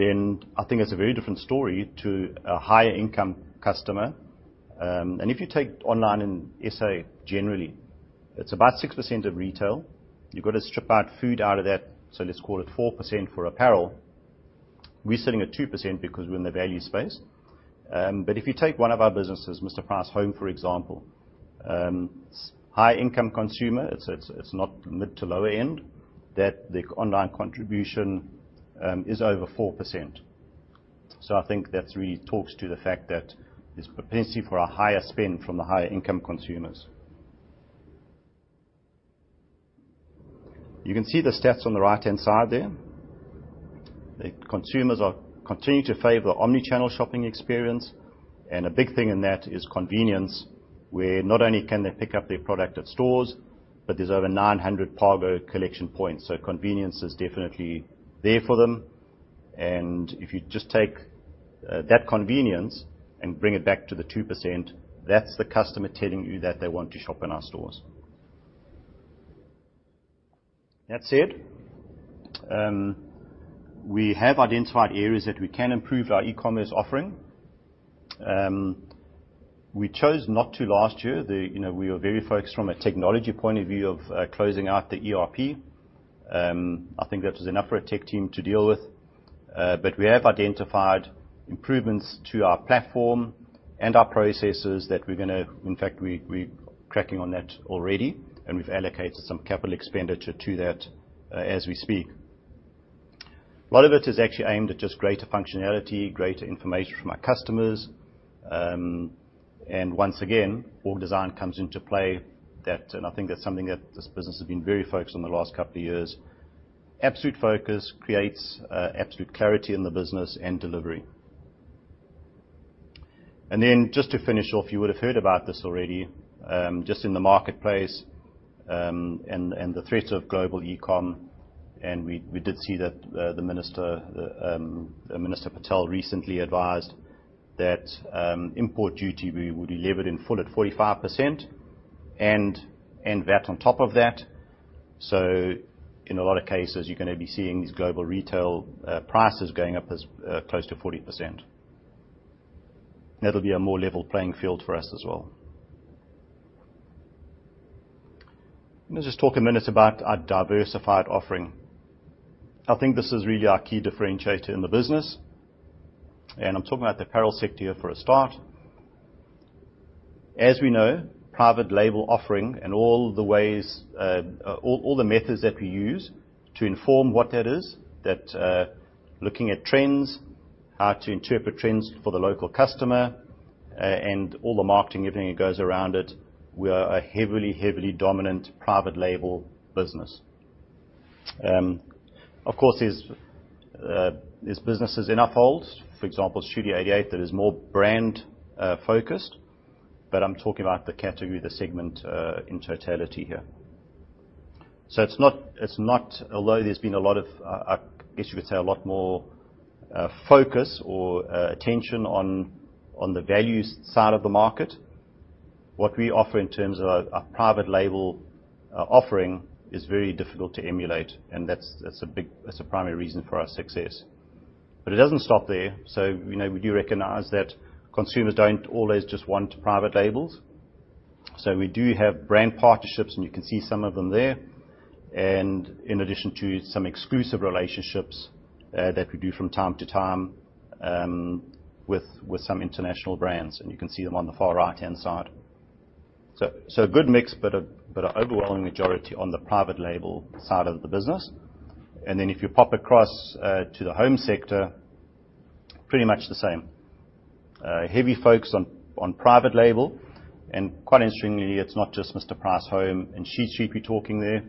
Then I think it's a very different story to a higher income customer. And if you take online in SA, generally, it's about 6% of retail. You've got to strip out food out of that, so let's call it 4% for apparel. We're sitting at 2% because we're in the value space. But if you take one of our businesses, Mr Price Home, for example, high income consumer, it's, it's, it's not mid to lower end, that the online contribution is over 4%. So I think that really talks to the fact that there's propensity for a higher spend from the higher income consumers. You can see the stats on the right-hand side there. The consumers are continuing to favor the Omni-channel shopping experience, and a big thing in that is convenience, where not only can they pick up their product at stores, but there's over 900 cargo collection points. So convenience is definitely there for them. And if you just take that convenience and bring it back to the 2%, that's the customer telling you that they want to shop in our stores. That said, we have identified areas that we can improve our e-commerce offering. We chose not to last year. You know, we were very focused from a technology point of view of closing out the ERP. I think that was enough for a tech team to deal with, but we have identified improvements to our platform and our processes that we're gonna—in fact, we're cracking on that already, and we've allocated some capital expenditure to that, as we speak. A lot of it is actually aimed at just greater functionality, greater information from our customers. And once again, org design comes into play, that, and I think that's something that this business has been very focused on the last couple of years. Absolute focus creates absolute clarity in the business and delivery. And then just to finish off, you would have heard about this already, just in the marketplace, and the threat of global e-com, and we did see that the minister, Minister Patel recently advised that import duty will be delivered in full at 45%, and that on top of that. So in a lot of cases, you're gonna be seeing these global retail prices going up as close to 40%. That'll be a more level playing field for us as well. Let's just talk a minute about our diversified offering. I think this is really our key differentiator in the business, and I'm talking about the apparel sector here for a start. As we know, private label offering and all the ways, all the methods that we use to inform what that is, that, looking at trends, how to interpret trends for the local customer, and all the marketing, everything that goes around it, we are a heavily, heavily dominant private label business. Of course, there's businesses in our folds, for example, Studio 88, that is more brand focused, but I'm talking about the category, the segment, in totality here. So it's not, it's not. Although there's been a lot of, I guess you could say, a lot more focus or attention on the value side of the market, what we offer in terms of our private label offering is very difficult to emulate, and that's a primary reason for our success. But it doesn't stop there. So we know, we do recognize that consumers don't always just want private labels. So we do have brand partnerships, and you can see some of them there. And in addition to some exclusive relationships that we do from time to time with some international brands, and you can see them on the far right-hand side. So a good mix, but an overwhelming majority on the private label side of the business. And then if you pop across to the home sector, pretty much the same. Heavy focus on private label, and quite interestingly, it's not just Mr Price Home and Sheet Street we're talking there.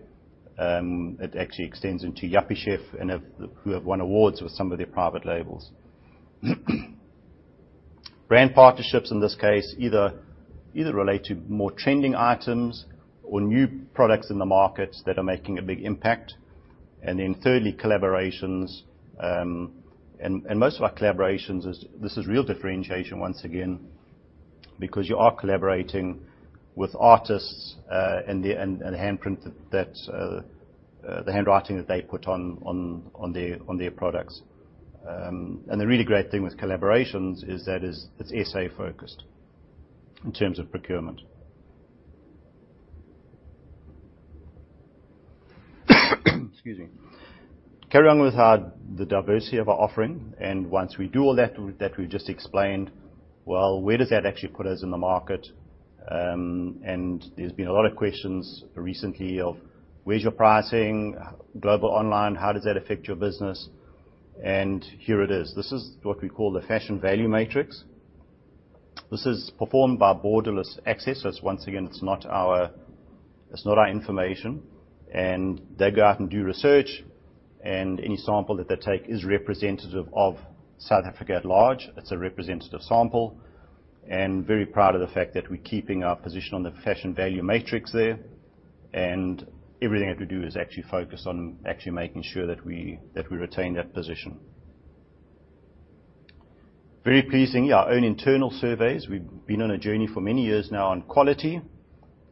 It actually extends into Yuppiechef, who have won awards with some of their private labels. Brand partnerships, in this case, either relate to more trending items or new products in the markets that are making a big impact. Then thirdly, collaborations. Most of our collaborations is - this is real differentiation once again, because you are collaborating with artists, and the handwriting that they put on their products. And the really great thing with collaborations is that it's SA-focused in terms of procurement. Excuse me. Carry on with our. The diversity of our offering, and once we do all that that we just explained, well, where does that actually put us in the market? And there's been a lot of questions recently of: where's your pricing? Global online, how does that affect your business? And here it is. This is what we call the Fashion Value Matrix. This is performed by Borderless Access. So once again, it's not our, it's not our information, and they go out and do research, and any sample that they take is representative of South Africa at large. It's a representative sample, and very proud of the fact that we're keeping our position on the Fashion Value Matrix there. And everything that we do is actually focused on actually making sure that we, that we retain that position. Very pleasing, our own internal surveys. We've been on a journey for many years now on quality.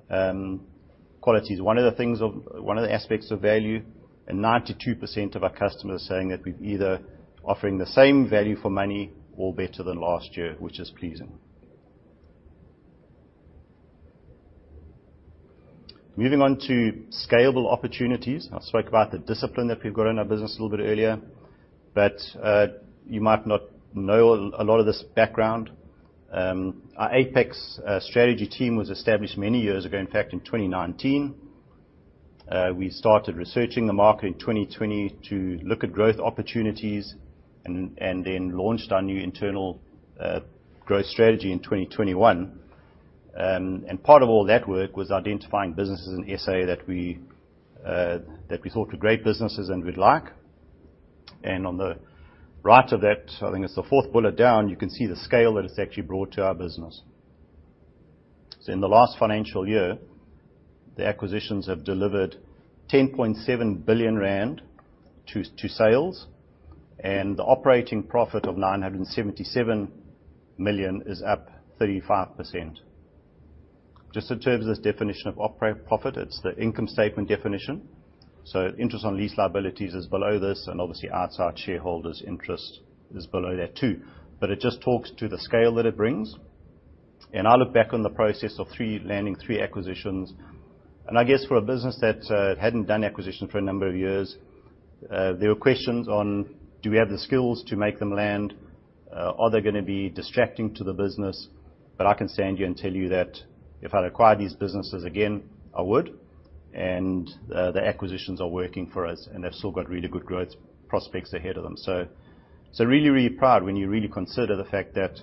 Quality is one of the aspects of value, and 92% of our customers are saying that we've either offering the same value for money or better than last year, which is pleasing. Moving on to scalable opportunities. I spoke about the discipline that we've got in our business a little bit earlier, but you might not know a lot of this background. Our Apex strategy team was established many years ago, in fact, in 2019. We started researching the market in 2020 to look at growth opportunities and then launched our new internal growth strategy in 2021. And part of all that work was identifying businesses in SA that we that we thought were great businesses and we'd like. And on the right of that, I think it's the fourth bullet down, you can see the scale that it's actually brought to our business. So in the last financial year, the acquisitions have delivered 10.7 billion rand to sales, and the operating profit of 977 million is up 35%. Just in terms of this definition of operating profit, it's the income statement definition, so interest on lease liabilities is below this, and obviously, outside shareholders' interest is below that too. But it just talks to the scale that it brings. And I look back on the process of three landing three acquisitions, and I guess for a business that hadn't done acquisitions for a number of years, there were questions on: do we have the skills to make them land? Are they gonna be distracting to the business? But I can stand here and tell you that if I'd acquired these businesses again, I would. And the acquisitions are working for us, and they've still got really good growth prospects ahead of them. So, so really, really proud when you really consider the fact that,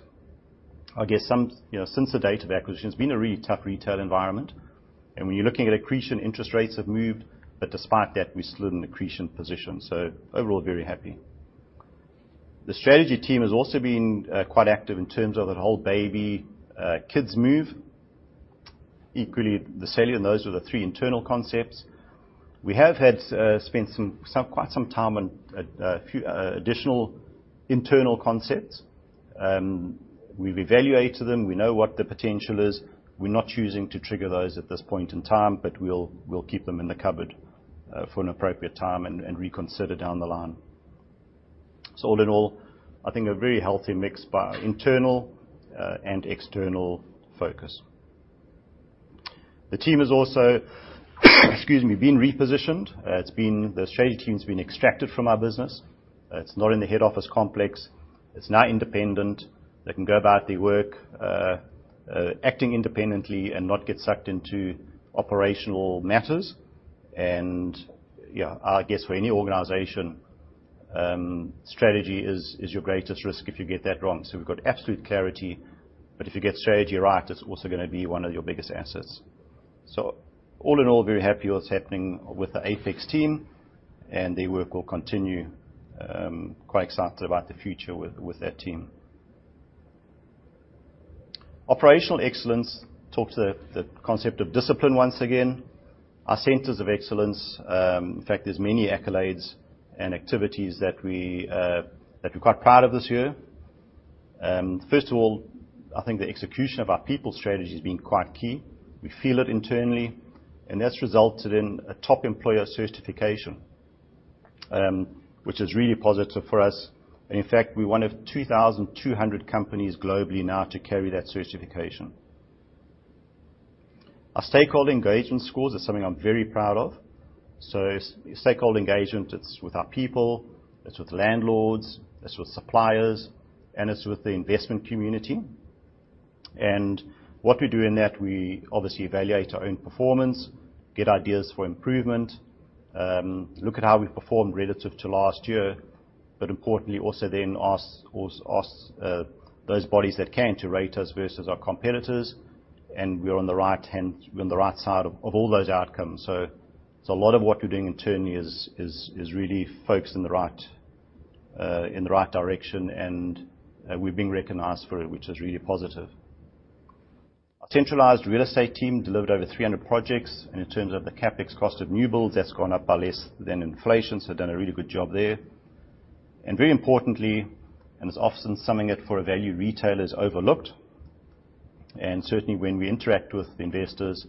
I guess, you know, since the date of acquisition, it's been a really tough retail environment. And when you're looking at accretion, interest rates have moved, but despite that, we're still in an accretion position. So overall, very happy. The strategy team has also been quite active in terms of that whole baby kids move. Equally, the cellular, those were the three internal concepts. We have spent some quite some time on a few additional internal concepts. We've evaluated them. We know what the potential is. We're not choosing to trigger those at this point in time, but we'll keep them in the cupboard for an appropriate time and reconsider down the line. So all in all, I think a very healthy mix by internal and external focus. The team has also, excuse me, been repositioned. The strategy team has been extracted from our business. It's not in the head office complex. It's now independent. They can go about their work, acting independently and not get sucked into operational matters. And, yeah, I guess for any organization, strategy is your greatest risk if you get that wrong. So we've got absolute clarity, but if you get strategy right, it's also gonna be one of your biggest assets. So all in all, very happy what's happening with the Apex team, and their work will continue. Quite excited about the future with that team. Operational excellence. Talk to the concept of discipline once again. Our centers of excellence, in fact, there's many accolades and activities that we, that we're quite proud of this year. First of all, I think the execution of our people strategy has been quite key. We feel it internally, and that's resulted in a Top Employer certification, which is really positive for us. In fact, we're one of 2,200 companies globally now to carry that certification. Our stakeholder engagement scores are something I'm very proud of. Stakeholder engagement, it's with our people, it's with landlords, it's with suppliers, and it's with the investment community. What we do in that, we obviously evaluate our own performance, get ideas for improvement, look at how we've performed relative to last year, but importantly, also then ask those bodies that came to rate us versus our competitors, and we're on the right hand, we're on the right side of all those outcomes. So a lot of what we're doing internally is really focused in the right direction, and we're being recognized for it, which is really positive. Our centralized real estate team delivered over 300 projects, and in terms of the CapEx cost of new builds, that's gone up by less than inflation, so done a really good job there. Very importantly, and it's often something that, for a value retailer, is overlooked, and certainly when we interact with the investors,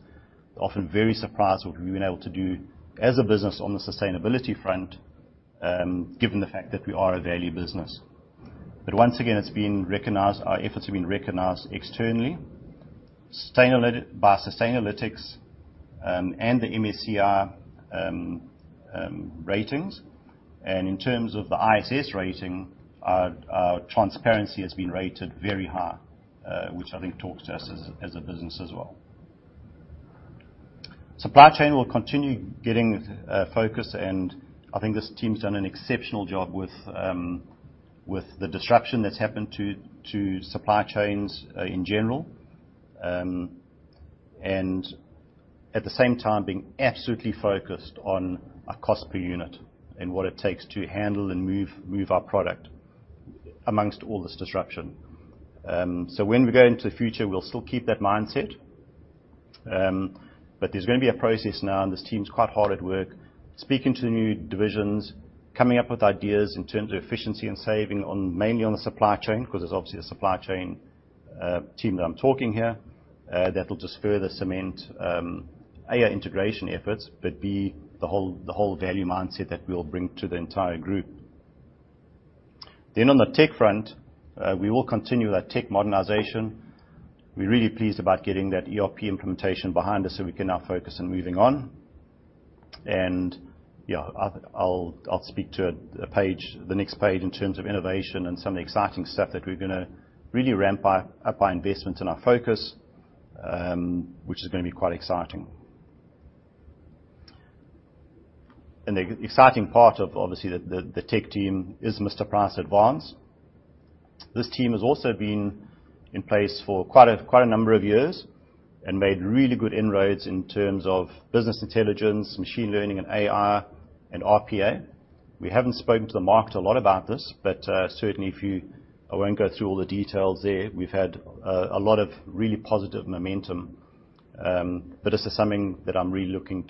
they're often very surprised what we've been able to do as a business on the sustainability front, given the fact that we are a value business. Once again, it's been recognized, our efforts have been recognized externally, by Sustainalytics, and the MSCI ratings. In terms of the ISS rating, our transparency has been rated very high, which I think talks to us as a business as well. Supply chain will continue getting focus, and I think this team's done an exceptional job with the disruption that's happened to supply chains in general. And at the same time, being absolutely focused on our cost per unit and what it takes to handle and move our product amongst all this disruption. So when we go into the future, we'll still keep that mindset. But there's gonna be a process now, and this team's quite hard at work, speaking to the new divisions, coming up with ideas in terms of efficiency and saving mainly on the supply chain, because it's obviously a supply chain team that I'm talking here. That'll just further cement A, our integration efforts, but B, the whole value mindset that we'll bring to the entire group. Then on the tech front, we will continue that tech modernization. We're really pleased about getting that ERP implementation behind us, so we can now focus on moving on. Yeah, I'll speak to a page, the next page in terms of innovation and some of the exciting stuff that we're gonna really ramp up by investment and our focus, which is gonna be quite exciting. The exciting part of, obviously, the tech team is Mr Price Advanced. This team has also been in place for quite a number of years and made really good inroads in terms of business intelligence, machine learning, and AI, and RPA. We haven't spoken to the market a lot about this, but certainly if you. I won't go through all the details there. We've had a lot of really positive momentum, but this is something that I'm really looking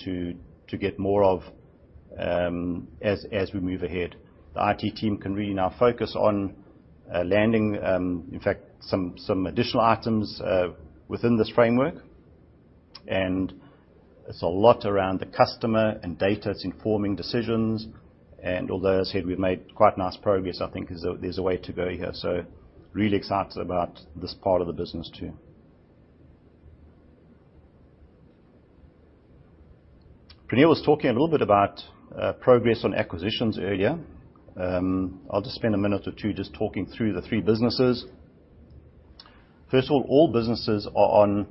to get more of, as we move ahead. The IT team can really now focus on landing, in fact, some additional items within this framework. And it's a lot around the customer and data that's informing decisions. And although, as I said, we've made quite nice progress, I think there's a way to go here. So really excited about this part of the business, too. Praneel was talking a little bit about progress on acquisitions earlier. I'll just spend a minute or two just talking through the three businesses. First of all, all businesses are on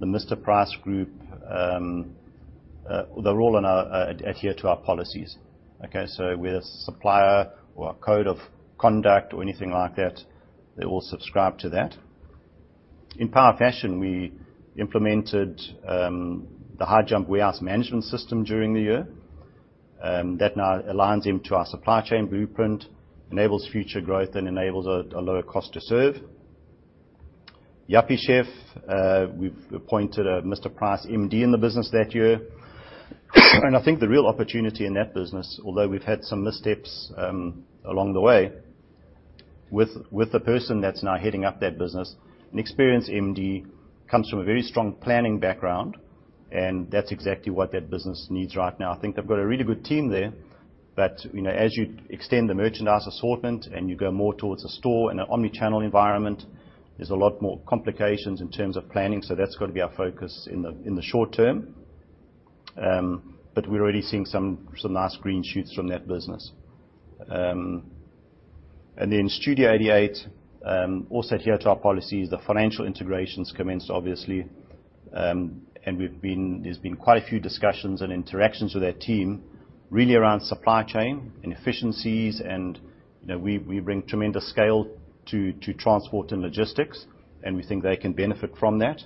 the Mr Price Group. They all adhere to our policies, okay? So with a supplier or a code of conduct or anything like that, they all subscribe to that. In Power Fashion, we implemented the HighJump warehouse management system during the year. That now aligns into our supply chain blueprint, enables future growth, and enables a lower cost to serve. Yuppiechef, we've appointed a Mr Price MD in the business that year. I think the real opportunity in that business, although we've had some missteps along the way, with the person that's now heading up that business, an experienced MD comes from a very strong planning background, and that's exactly what that business needs right now. I think they've got a really good team there, but, you know, as you extend the merchandise assortment and you go more towards a store in an omni-channel environment, there's a lot more complications in terms of planning, so that's got to be our focus in the short term. But we're already seeing some nice green shoots from that business. And then Studio 88 also adhere to our policies. The financial integrations commenced, obviously, and there's been quite a few discussions and interactions with that team, really around supply chain and efficiencies, and, you know, we bring tremendous scale to transport and logistics, and we think they can benefit from that.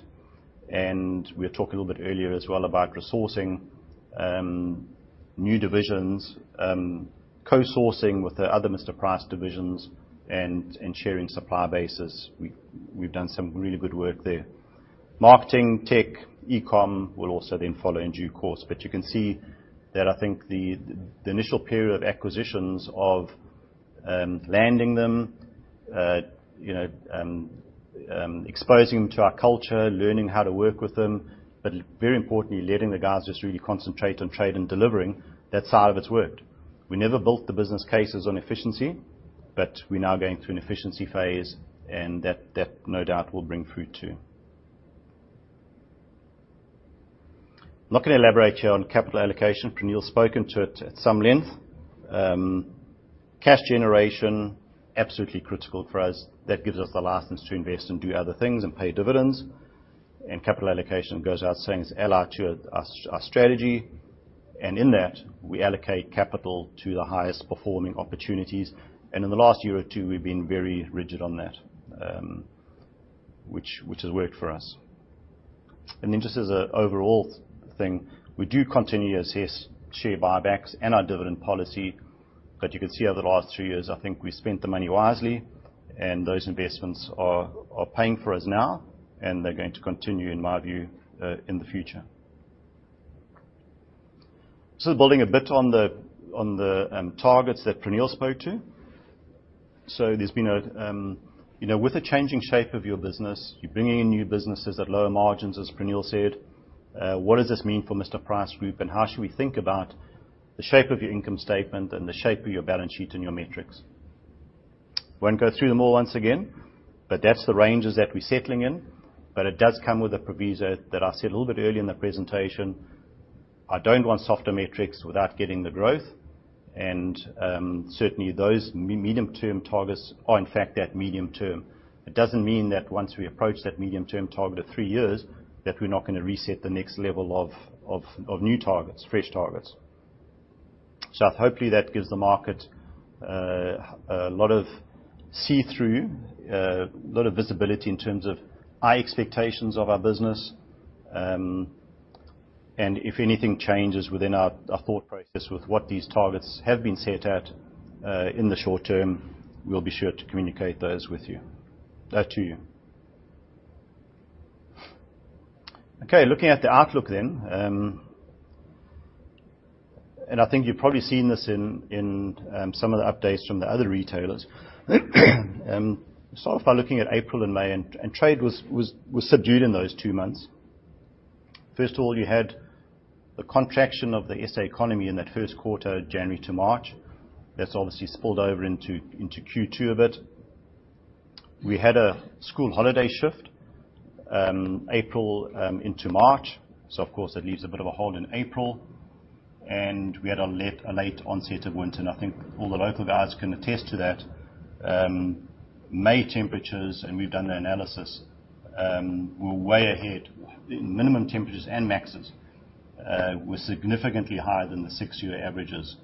And we talked a little bit earlier as well about resourcing new divisions, co-sourcing with the other Mr Price divisions, and sharing supply bases. We've done some really good work there. Marketing, tech, e-com will also then follow in due course. But you can see that I think the initial period of acquisitions of landing them, you know, exposing them to our culture, learning how to work with them, but very importantly, letting the guys just really concentrate on trade and delivering, that side of it's worked. We never built the business cases on efficiency, but we're now going through an efficiency phase, and that no doubt will bring fruit, too. I'm not gonna elaborate here on capital allocation. Praneel's spoken to it at some length. Cash generation, absolutely critical for us. That gives us the license to invest and do other things and pay dividends. And capital allocation goes without saying, it's allied to our strategy, and in that, we allocate capital to the highest performing opportunities. And in the last year or two, we've been very rigid on that. which has worked for us. And then just as an overall thing, we do continue to assess share buybacks and our dividend policy, but you can see over the last two years, I think we spent the money wisely, and those investments are paying for us now, and they're going to continue, in my view, in the future. So building a bit on the targets that Praneel spoke to. So there's been a, you know, with the changing shape of your business, you're bringing in new businesses at lower margins, as Praneel said, what does this mean for Mr Price Group? And how should we think about the shape of your income statement and the shape of your balance sheet and your metrics? Won't go through them all once again, but that's the ranges that we're settling in, but it does come with a proviso that I said a little bit earlier in the presentation. I don't want softer metrics without getting the growth. And, certainly, those medium-term targets are, in fact, that medium-term. It doesn't mean that once we approach that medium-term target of three years, that we're not gonna reset the next level of new targets, fresh targets. So hopefully, that gives the market a lot of see-through, a lot of visibility in terms of high expectations of our business. And if anything changes within our thought process with what these targets have been set at, in the short term, we'll be sure to communicate those with you, to you. Okay, looking at the outlook then. And I think you've probably seen this in some of the updates from the other retailers. Start off by looking at April and May, and trade was subdued in those two months. First of all, you had the contraction of the SA economy in that first quarter, January to March. That's obviously spilled over into Q2 a bit. We had a school holiday shift, April into March, so of course, that leaves a bit of a hole in April, and we had a late onset of winter, and I think all the local guys can attest to that. May temperatures, and we've done the analysis, were way ahead. Minimum temperatures and maxes were significantly higher than the six-year averages.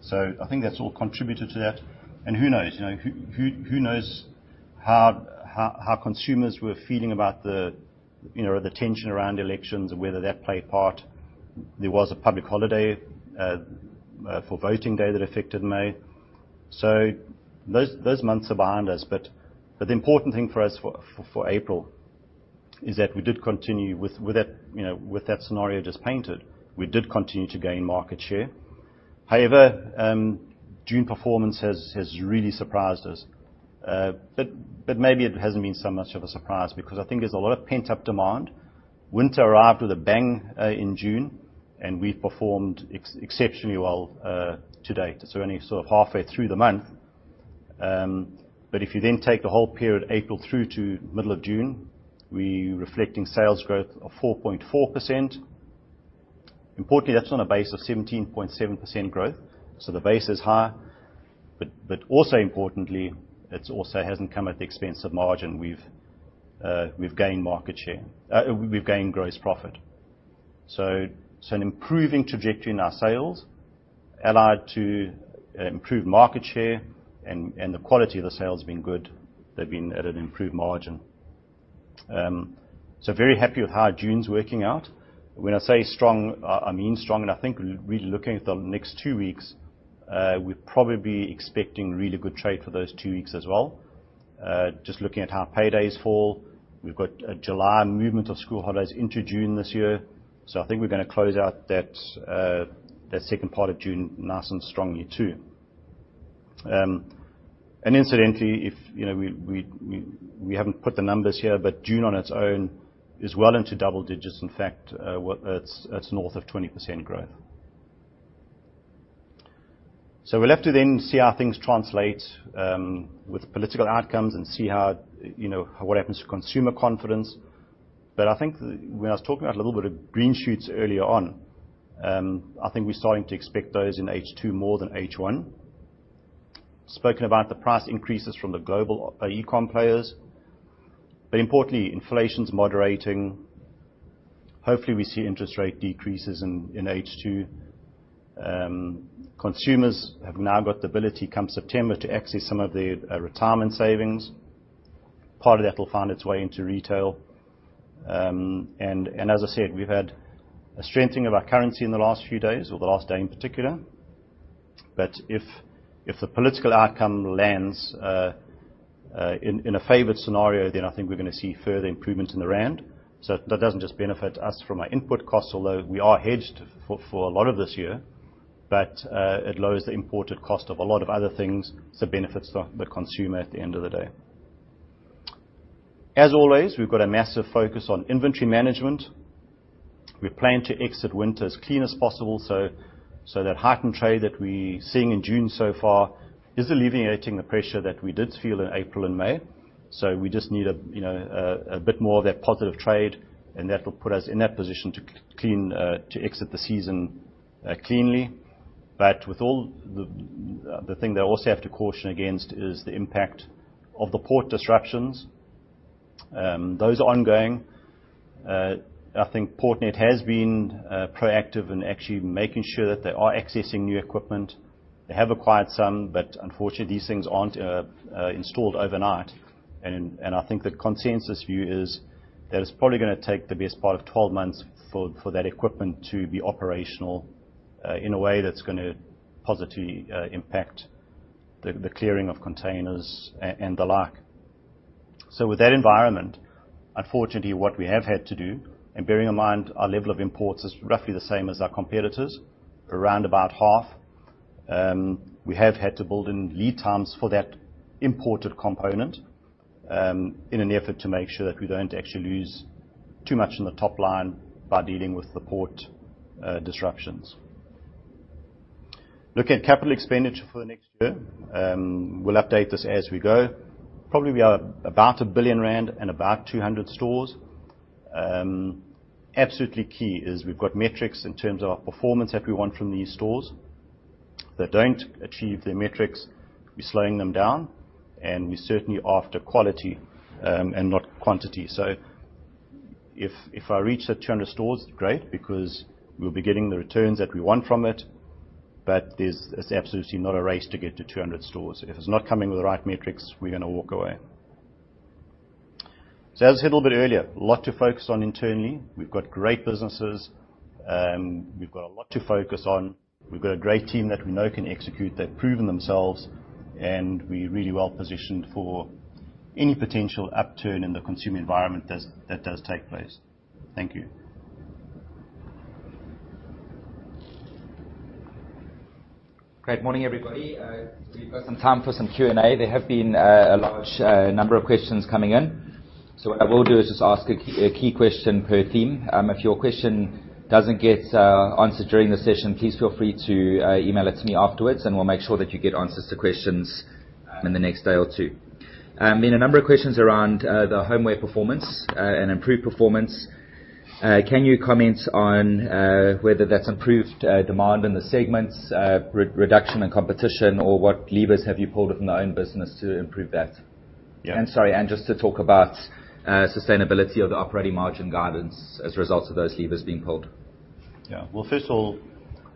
So I think that's all contributed to that. And who knows? You know, who knows how consumers were feeling about the, you know, the tension around elections and whether that played a part. There was a public holiday for voting day that affected May. So those months are behind us, but the important thing for us for April is that we did continue with that, you know, with that scenario just painted, we did continue to gain market share. However, June performance has really surprised us, but maybe it hasn't been so much of a surprise because I think there's a lot of pent-up demand. Winter arrived with a bang in June, and we've performed exceptionally well to date. So only sort of halfway through the month. But if you then take the whole period, April through to middle of June, we're reflecting sales growth of 4.4%. Importantly, that's on a base of 17.7% growth, so the base is high. But, but also importantly, it also hasn't come at the expense of margin. We've, we've gained market share. We've gained gross profit. So, so an improving trajectory in our sales, allied to, improved market share and, and the quality of the sales has been good. They've been at an improved margin. So very happy with how June's working out. When I say strong, I, I mean strong, and I think really looking at the next two weeks, we're probably expecting really good trade for those two weeks as well. Just looking at how paydays fall, we've got a July movement of school holidays into June this year, so I think we're gonna close out that second part of June nice and strongly, too. And incidentally, if you know, we haven't put the numbers here, but June on its own is well into double digits. In fact, well, it's north of 20% growth. So we'll have to then see how things translate with political outcomes and see how, you know, what happens to consumer confidence. But I think when I was talking about a little bit of green shoots earlier on, I think we're starting to expect those in H2 more than H1. Spoken about the price increases from the global e-com players, but importantly, inflation's moderating. Hopefully, we see interest rate decreases in H2. Consumers have now got the ability, come September, to access some of their retirement savings. Part of that will find its way into retail. As I said, we've had a strengthening of our currency in the last few days or the last day in particular, but if the political outcome lands in a favored scenario, then I think we're gonna see further improvements in the rand. So that doesn't just benefit us from our input costs, although we are hedged for a lot of this year, but it lowers the imported cost of a lot of other things, so it benefits the consumer at the end of the day. As always, we've got a massive focus on inventory management. We plan to exit winter as clean as possible, so that heightened trade that we're seeing in June so far is alleviating the pressure that we did feel in April and May. We just need a, you know, a bit more of that positive trade, and that will put us in that position to clean, to exit the season, cleanly. But with all the. The thing that I also have to caution against is the impact of the port disruptions. Those are ongoing. I think Portnet has been proactive in actually making sure that they are accessing new equipment. They have acquired some, but unfortunately, these things aren't installed overnight. I think the consensus view is that it's probably gonna take the best part of 12 months for that equipment to be operational in a way that's gonna positively impact the clearing of containers and the like. So with that environment, unfortunately, what we have had to do, and bearing in mind our level of imports is roughly the same as our competitors, around about half, we have had to build in lead times for that imported component in an effort to make sure that we don't actually lose too much on the top line by dealing with the port disruptions. Looking at capital expenditure for the next year, we'll update this as we go. Probably, we are about 1 billion rand and about 200 stores. Absolutely key is we've got metrics in terms of our performance that we want from these stores. That don't achieve their metrics, we're slowing them down, and we're certainly after quality, and not quantity. So if I reach the 200 stores, great, because we'll be getting the returns that we want from it, but there's. It's absolutely not a race to get to 200 stores. If it's not coming with the right metrics, we're gonna walk away. So as I said a little bit earlier, a lot to focus on internally. We've got great businesses, we've got a lot to focus on. We've got a great team that we know can execute, they've proven themselves, and we're really well positioned for any potential upturn in the consumer environment does - that does take place. Thank you. Great morning, everybody. We've got some time for some Q&A. There have been a large number of questions coming in. So what I will do is just ask a key question per theme. If your question doesn't get answered during the session, please feel free to email it to me afterwards, and we'll make sure that you get answers to questions in the next day or two. Been a number of questions around the homeware performance and improved performance. Can you comment on whether that's improved demand in the segments, reduction in competition, or what levers have you pulled from the own business to improve that? Yeah. Sorry, just to talk about sustainability of the operating margin guidance as a result of those levers being pulled. Yeah. Well, first of all,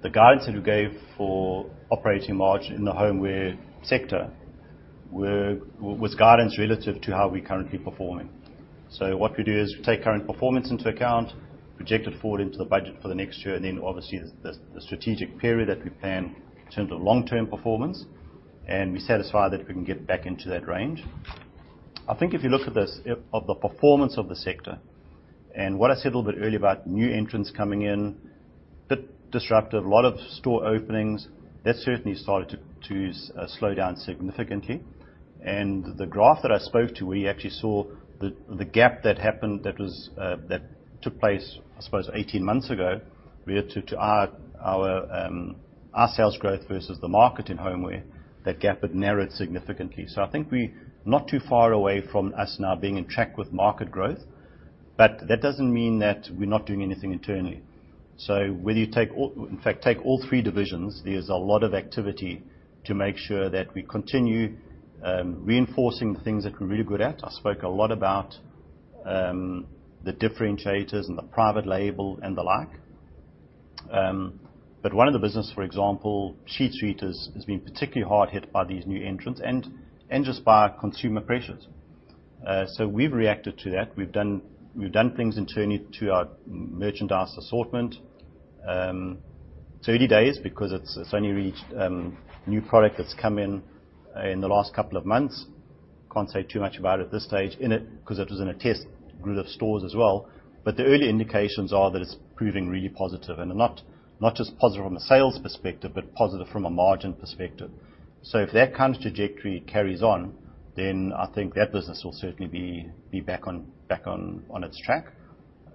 the guidance that we gave for operating margin in the homeware sector was guidance relative to how we're currently performing. So what we do is take current performance into account, project it forward into the budget for the next year, and then obviously, the strategic period that we plan in terms of long-term performance, and we're satisfied that we can get back into that range. I think if you look at this, at the performance of the sector, and what I said a little bit earlier about new entrants coming in, bit disruptive, a lot of store openings, that certainly started to slow down significantly. The graph that I spoke to, we actually saw the gap that took place, I suppose, 18 months ago, where, to our sales growth versus the market in homeware, that gap had narrowed significantly. So I think we're not too far away from us now being on track with market growth. But that doesn't mean that we're not doing anything internally. Whether you take all. In fact, take all three divisions, there's a lot of activity to make sure that we continue reinforcing the things that we're really good at. I spoke a lot about the differentiators and the private label and the like. But one of the businesses, for example, Sheet Street, has been particularly hard hit by these new entrants and just by consumer pressures. So we've reacted to that. We've done things internally to our merchandise assortment. It's early days because it's only reached new product that's come in in the last couple of months. Can't say too much about it at this stage in it, because it was in a test group of stores as well. But the early indications are that it's proving really positive, and not just positive from a sales perspective, but positive from a margin perspective. So if that kind of trajectory carries on, then I think that business will certainly be back on its track.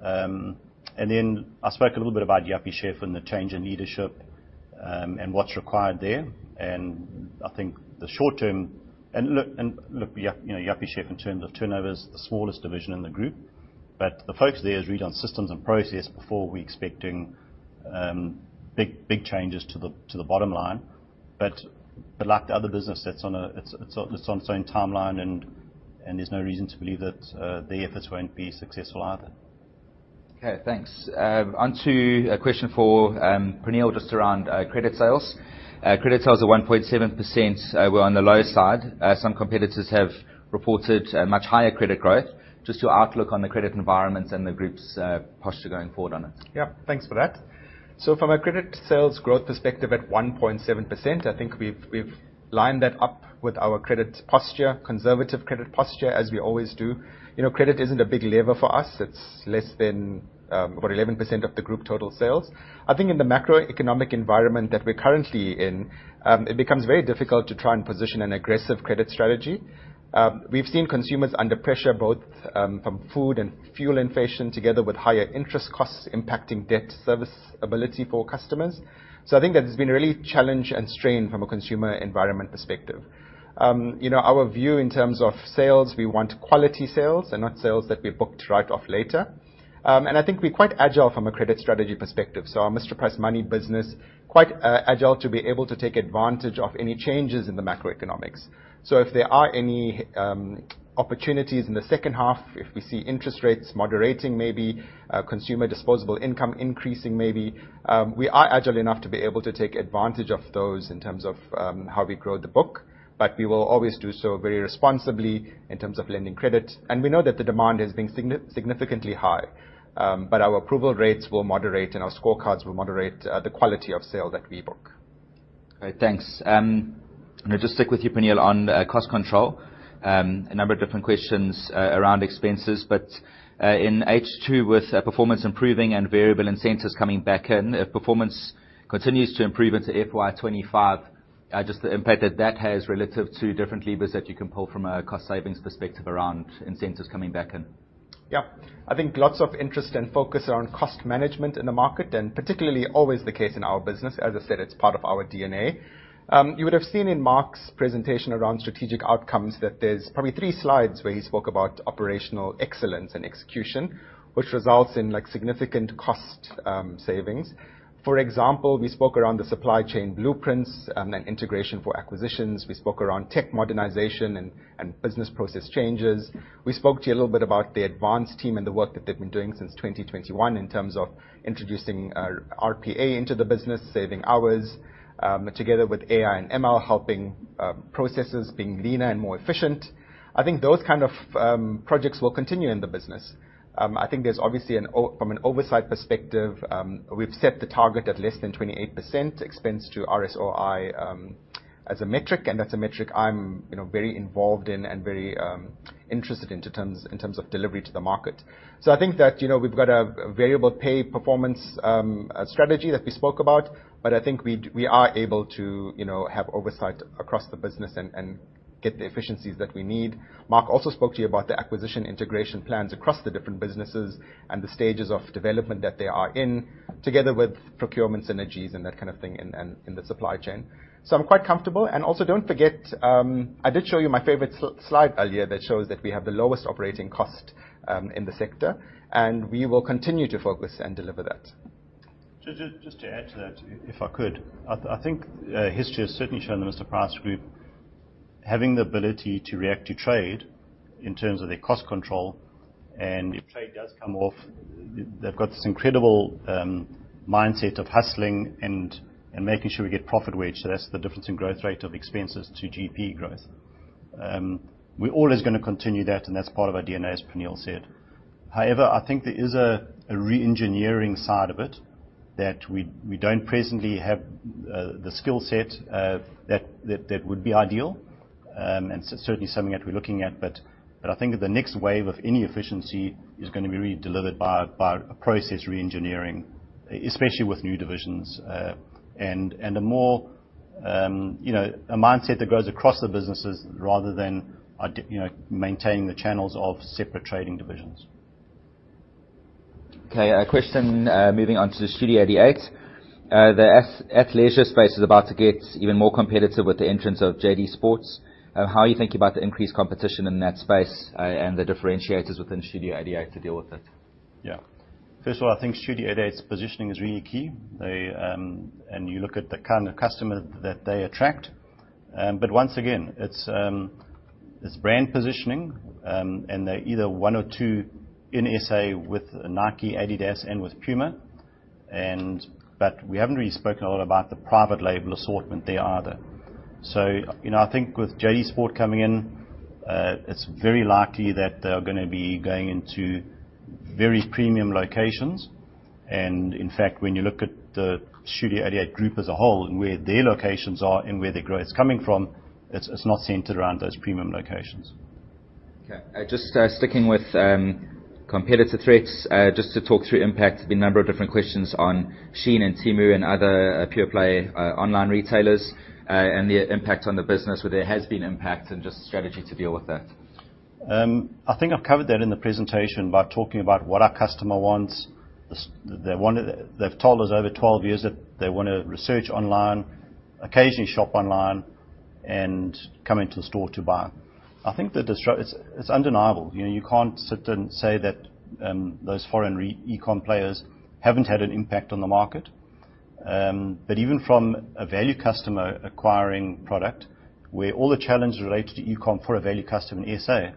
And then I spoke a little bit about Yuppiechef and the change in leadership, and what's required there. And I think the short term. You know, Yuppiechef, in terms of turnover, is the smallest division in the group, but the focus there is really on systems and process before we expecting big, big changes to the bottom line. But like the other business, that's on its own timeline, and there's no reason to believe that the efforts won't be successful either. Okay, thanks. Onto a question for Praneel, just around credit sales. Credit sales are 1.7%, were on the lower side. Some competitors have reported a much higher credit growth. Just your outlook on the credit environment and the group's posture going forward on it. Yeah, thanks for that. So from a credit sales growth perspective, at 1.7%, I think we've lined that up with our credit posture, conservative credit posture, as we always do. You know, credit isn't a big lever for us. It's less than about 11% of the group total sales. I think in the macroeconomic environment that we're currently in, it becomes very difficult to try and position an aggressive credit strategy. We've seen consumers under pressure, both from food and fuel inflation, together with higher interest costs impacting debt service ability for customers. So I think that it's been really challenged and strained from a consumer environment perspective. You know, our view in terms of sales, we want quality sales and not sales that we booked right off later. And I think we're quite agile from a credit strategy perspective. So our Mr Price Money business, quite agile to be able to take advantage of any changes in the macroeconomics. So if there are any opportunities in the second half, if we see interest rates moderating, maybe consumer disposable income increasing, maybe we are agile enough to be able to take advantage of those in terms of how we grow the book. But we will always do so very responsibly in terms of lending credit. And we know that the demand has been significantly high, but our approval rates will moderate and our scorecards will moderate the quality of sale that we book. Great, thanks. I'm gonna just stick with you, Praneel, on cost control. A number of different questions around expenses, but in H2, with performance improving and variable incentives coming back in, if performance continues to improve into FY 25, just the impact that that has relative to different levers that you can pull from a cost savings perspective around incentives coming back in. Yeah. I think lots of interest and focus are on cost management in the market, and particularly always the case in our business. As I said, it's part of our DNA. You would have seen in Mark's presentation around strategic outcomes, that there's probably three slides where he spoke about operational excellence and execution, which results in, like, significant cost savings. For example, we spoke around the supply chain blueprints and integration for acquisitions. We spoke around tech modernization and business process changes. We spoke to you a little bit about the Apex team and the work that they've been doing since 2021, in terms of introducing RPA into the business, saving hours together with AI and ML, helping processes being leaner and more efficient. I think those kind of projects will continue in the business. I think there's obviously, from an oversight perspective, we've set the target at less than 28% expense to RSOI, as a metric, and that's a metric I'm, you know, very involved in and very interested in, in terms, in terms of delivery to the market. So I think that, you know, we've got a variable pay performance strategy that we spoke about, but I think we are able to, you know, have oversight across the business and get the efficiencies that we need. Mark also spoke to you about the acquisition integration plans across the different businesses and the stages of development that they are in, together with procurement synergies and that kind of thing in the supply chain. So I'm quite comfortable, and also, don't forget, I did show you my favorite slide earlier that shows that we have the lowest operating cost in the sector, and we will continue to focus and deliver that. Just to add to that, if I could, I think history has certainly shown the Mr Price Group having the ability to react to trade in terms of their cost control, and if trade does come off, they've got this incredible mindset of hustling and making sure we get profit wedge. So that's the difference in growth rate of expenses to GP growth. We're always gonna continue that, and that's part of our DNA, as Praneel said. However, I think there is a reengineering side of it that we don't presently have the skill set that would be ideal, and so certainly something that we're looking at, but I think that the next wave of any efficiency is gonna be really delivered by process reengineering, especially with new divisions. A more, you know, a mindset that goes across the businesses rather than, you know, maintaining the channels of separate trading divisions. Okay, a question, moving on to the Studio 88. The athleisure space is about to get even more competitive with the entrance of JD Sports. How are you thinking about the increased competition in that space, and the differentiators within Studio 88 to deal with it? Yeah. First of all, I think Studio 88's positioning is really key. They. And you look at the kind of customer that they attract, but once again, it's, it's brand positioning, and they're either one or two in SA with Nike, Adidas, and with Puma, and but we haven't really spoken a lot about the private label assortment there either. So, you know, I think with JD Sports coming in, it's very likely that they're gonna be going into very premium locations, and in fact, when you look at the Studio 88 Group as a whole and where their locations are and where their growth is coming from, it's, it's not centered around those premium locations. Okay. Just sticking with competitor threats, just to talk through impact, been a number of different questions on Shein and Temu and other pure play online retailers, and the impact on the business, where there has been impact, and just strategy to deal with that. I think I've covered that in the presentation by talking about what our customer wants. They want—they've told us over 12 years that they wanna research online, occasionally shop online, and come into the store to buy. I think the—it's undeniable. You know, you can't sit and say that those foreign e-com players haven't had an impact on the market. But even from a value customer acquiring product, where all the challenges related to e-com for a value customer in SA,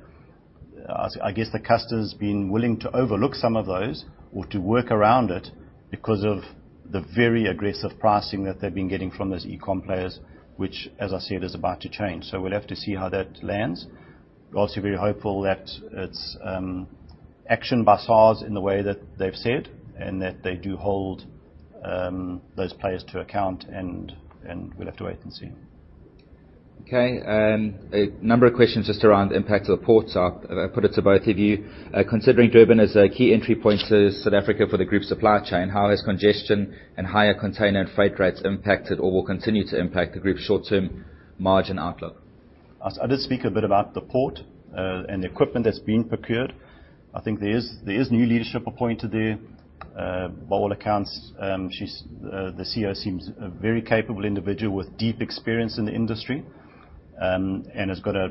I guess the customer's been willing to overlook some of those or to work around it because of the very aggressive pricing that they've been getting from those e-com players, which, as I said, is about to change. So we'll have to see how that lands. We're also very hopeful that it's action by SARS in the way that they've said, and that they do hold those players to account, and, and we'll have to wait and see. Okay, a number of questions just around the impact of the ports. I'll put it to both of you. Considering Durban is a key entry point to South Africa for the group's supply chain, how has congestion and higher container and freight rates impacted or will continue to impact the group's short-term margin outlook? I did speak a bit about the port, and the equipment that's been procured. I think there is, there is new leadership appointed there. By all accounts, she's the CEO seems a very capable individual with deep experience in the industry, and has got a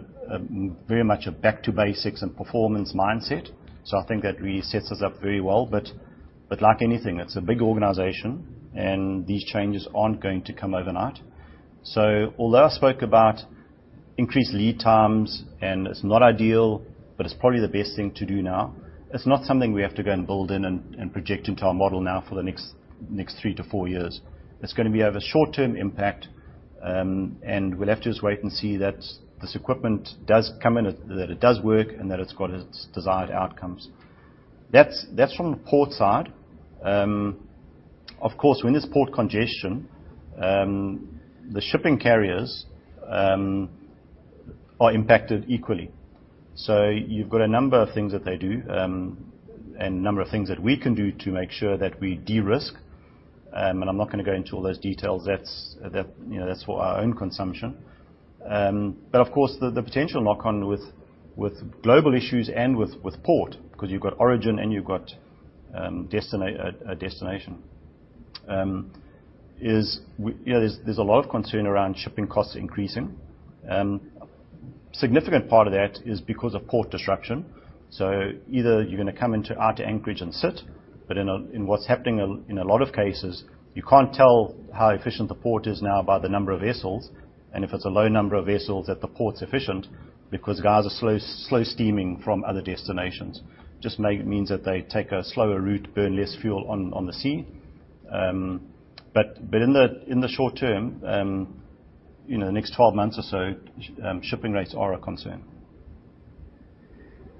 very much a back to basics and performance mindset, so I think that really sets us up very well. But like anything, it's a big organization, and these changes aren't going to come overnight. So although I spoke about increased lead times, and it's not ideal, but it's probably the best thing to do now, it's not something we have to go and build in and project into our model now for the next 3-4 years. It's gonna be of a short-term impact, and we'll have to just wait and see that this equipment does come in, that it does work, and that it's got its desired outcomes. That's from the port side. Of course, when there's port congestion, the shipping carriers are impacted equally. So you've got a number of things that they do, and a number of things that we can do to make sure that we de-risk. And I'm not gonna go into all those details. That's, you know, that's for our own consumption. But of course, the potential knock-on with global issues and with port, 'cause you've got origin and you've got a destination, is we. You know, there's a lot of concern around shipping costs increasing. Significant part of that is because of port disruption. So either you're gonna come into out to anchorage and sit, but in what's happening in a lot of cases, you can't tell how efficient the port is now by the number of vessels, and if it's a low number of vessels, that the port's efficient because guys are slow, slow steaming from other destinations. Just means that they take a slower route, burn less fuel on the sea. But in the short term, you know, the next 12 months or so, shipping rates are a concern.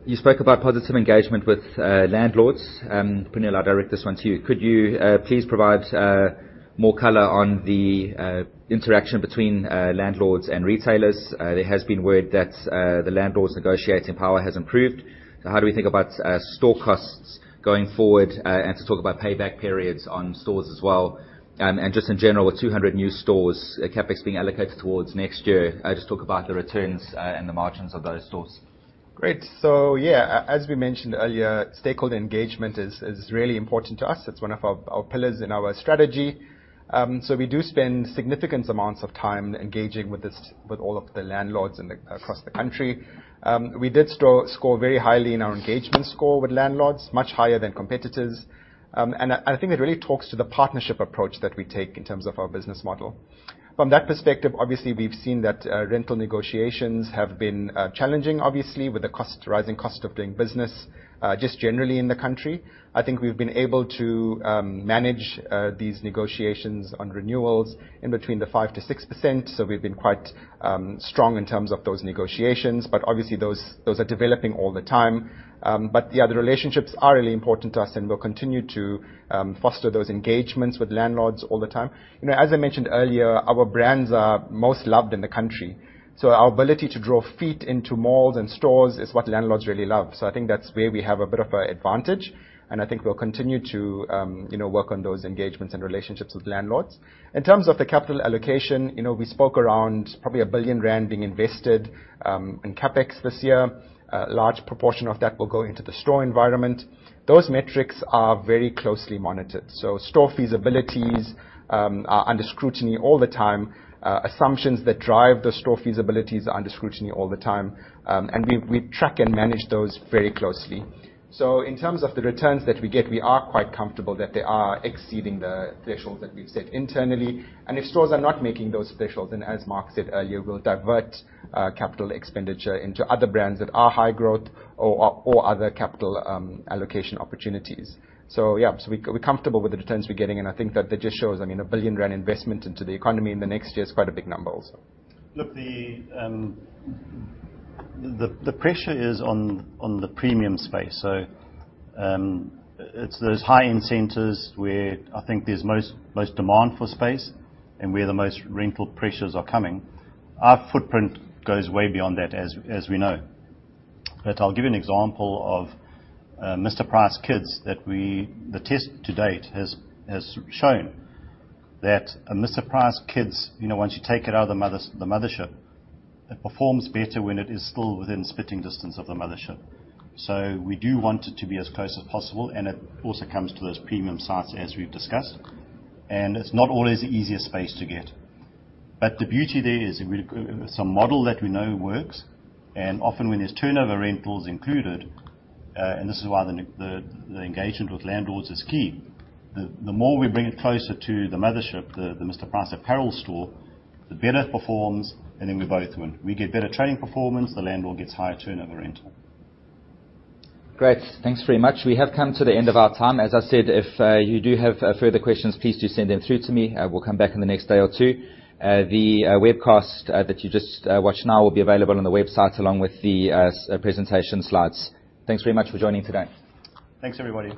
You spoke about positive engagement with landlords. Praneel, I'll direct this one to you. Could you please provide more color on the interaction between landlords and retailers? There has been word that the landlords' negotiating power has improved. So how do we think about store costs going forward, and to talk about payback periods on stores as well? And just in general, with 200 new stores, CapEx being allocated towards next year, just talk about the returns, and the margins of those stores. Great. So yeah, as we mentioned earlier, stakeholder engagement is really important to us. It's one of our pillars in our strategy. So we do spend significant amounts of time engaging with all of the landlords across the country. We did score very highly in our engagement score with landlords, much higher than competitors. And I think it really talks to the partnership approach that we take in terms of our business model. From that perspective, obviously, we've seen that rental negotiations have been challenging, obviously, with the rising cost of doing business just generally in the country. I think we've been able to manage these negotiations on renewals in between 5%-6%, so we've been quite strong in terms of those negotiations. Obviously, those, those are developing all the time. But yeah, the relationships are really important to us, and we'll continue to foster those engagements with landlords all the time. You know, as I mentioned earlier, our brands are most loved in the country, so our ability to draw feet into malls and stores is what landlords really love. So I think that's where we have a bit of an advantage, and I think we'll continue to, you know, work on those engagements and relationships with landlords. In terms of the capital allocation, you know, we spoke around probably 1 billion rand being invested in CapEx this year. A large proportion of that will go into the store environment. Those metrics are very closely monitored, so store feasibilities are under scrutiny all the time. Assumptions that drive the store feasibilities are under scrutiny all the time. And we track and manage those very closely. So in terms of the returns that we get, we are quite comfortable that they are exceeding the thresholds that we've set internally, and if stores are not making those thresholds, then, as Mark said earlier, we'll divert capital expenditure into other brands that are high growth or other capital allocation opportunities. So yeah, so we're comfortable with the returns we're getting, and I think that that just shows. I mean, a 1 billion rand investment into the economy in the next year is quite a big number also. Look, the pressure is on the premium space. So, it's those high-end centers where I think there's most demand for space and where the most rental pressures are coming. Our footprint goes way beyond that, as we know. But I'll give you an example of Mr Price Kids that we. The test to date has shown that a Mr Price Kids, you know, once you take it out of the mothership, it performs better when it is still within spitting distance of the mothership. So we do want it to be as close as possible, and it also comes to those premium sites, as we've discussed, and it's not always the easiest space to get. But the beauty there is it's a model that we know works, and often when there's turnover rentals included, and this is why the engagement with landlords is key. The more we bring it closer to the mothership, the Mr Price Apparel store, the better it performs, and then we both win. We get better trading performance, the landlord gets higher turnover rental. Great. Thanks very much. We have come to the end of our time. As I said, if you do have further questions, please do send them through to me. We'll come back in the next day or two. The webcast that you just watched now will be available on the website, along with the presentation slides. Thanks very much for joining today. Thanks, everybody.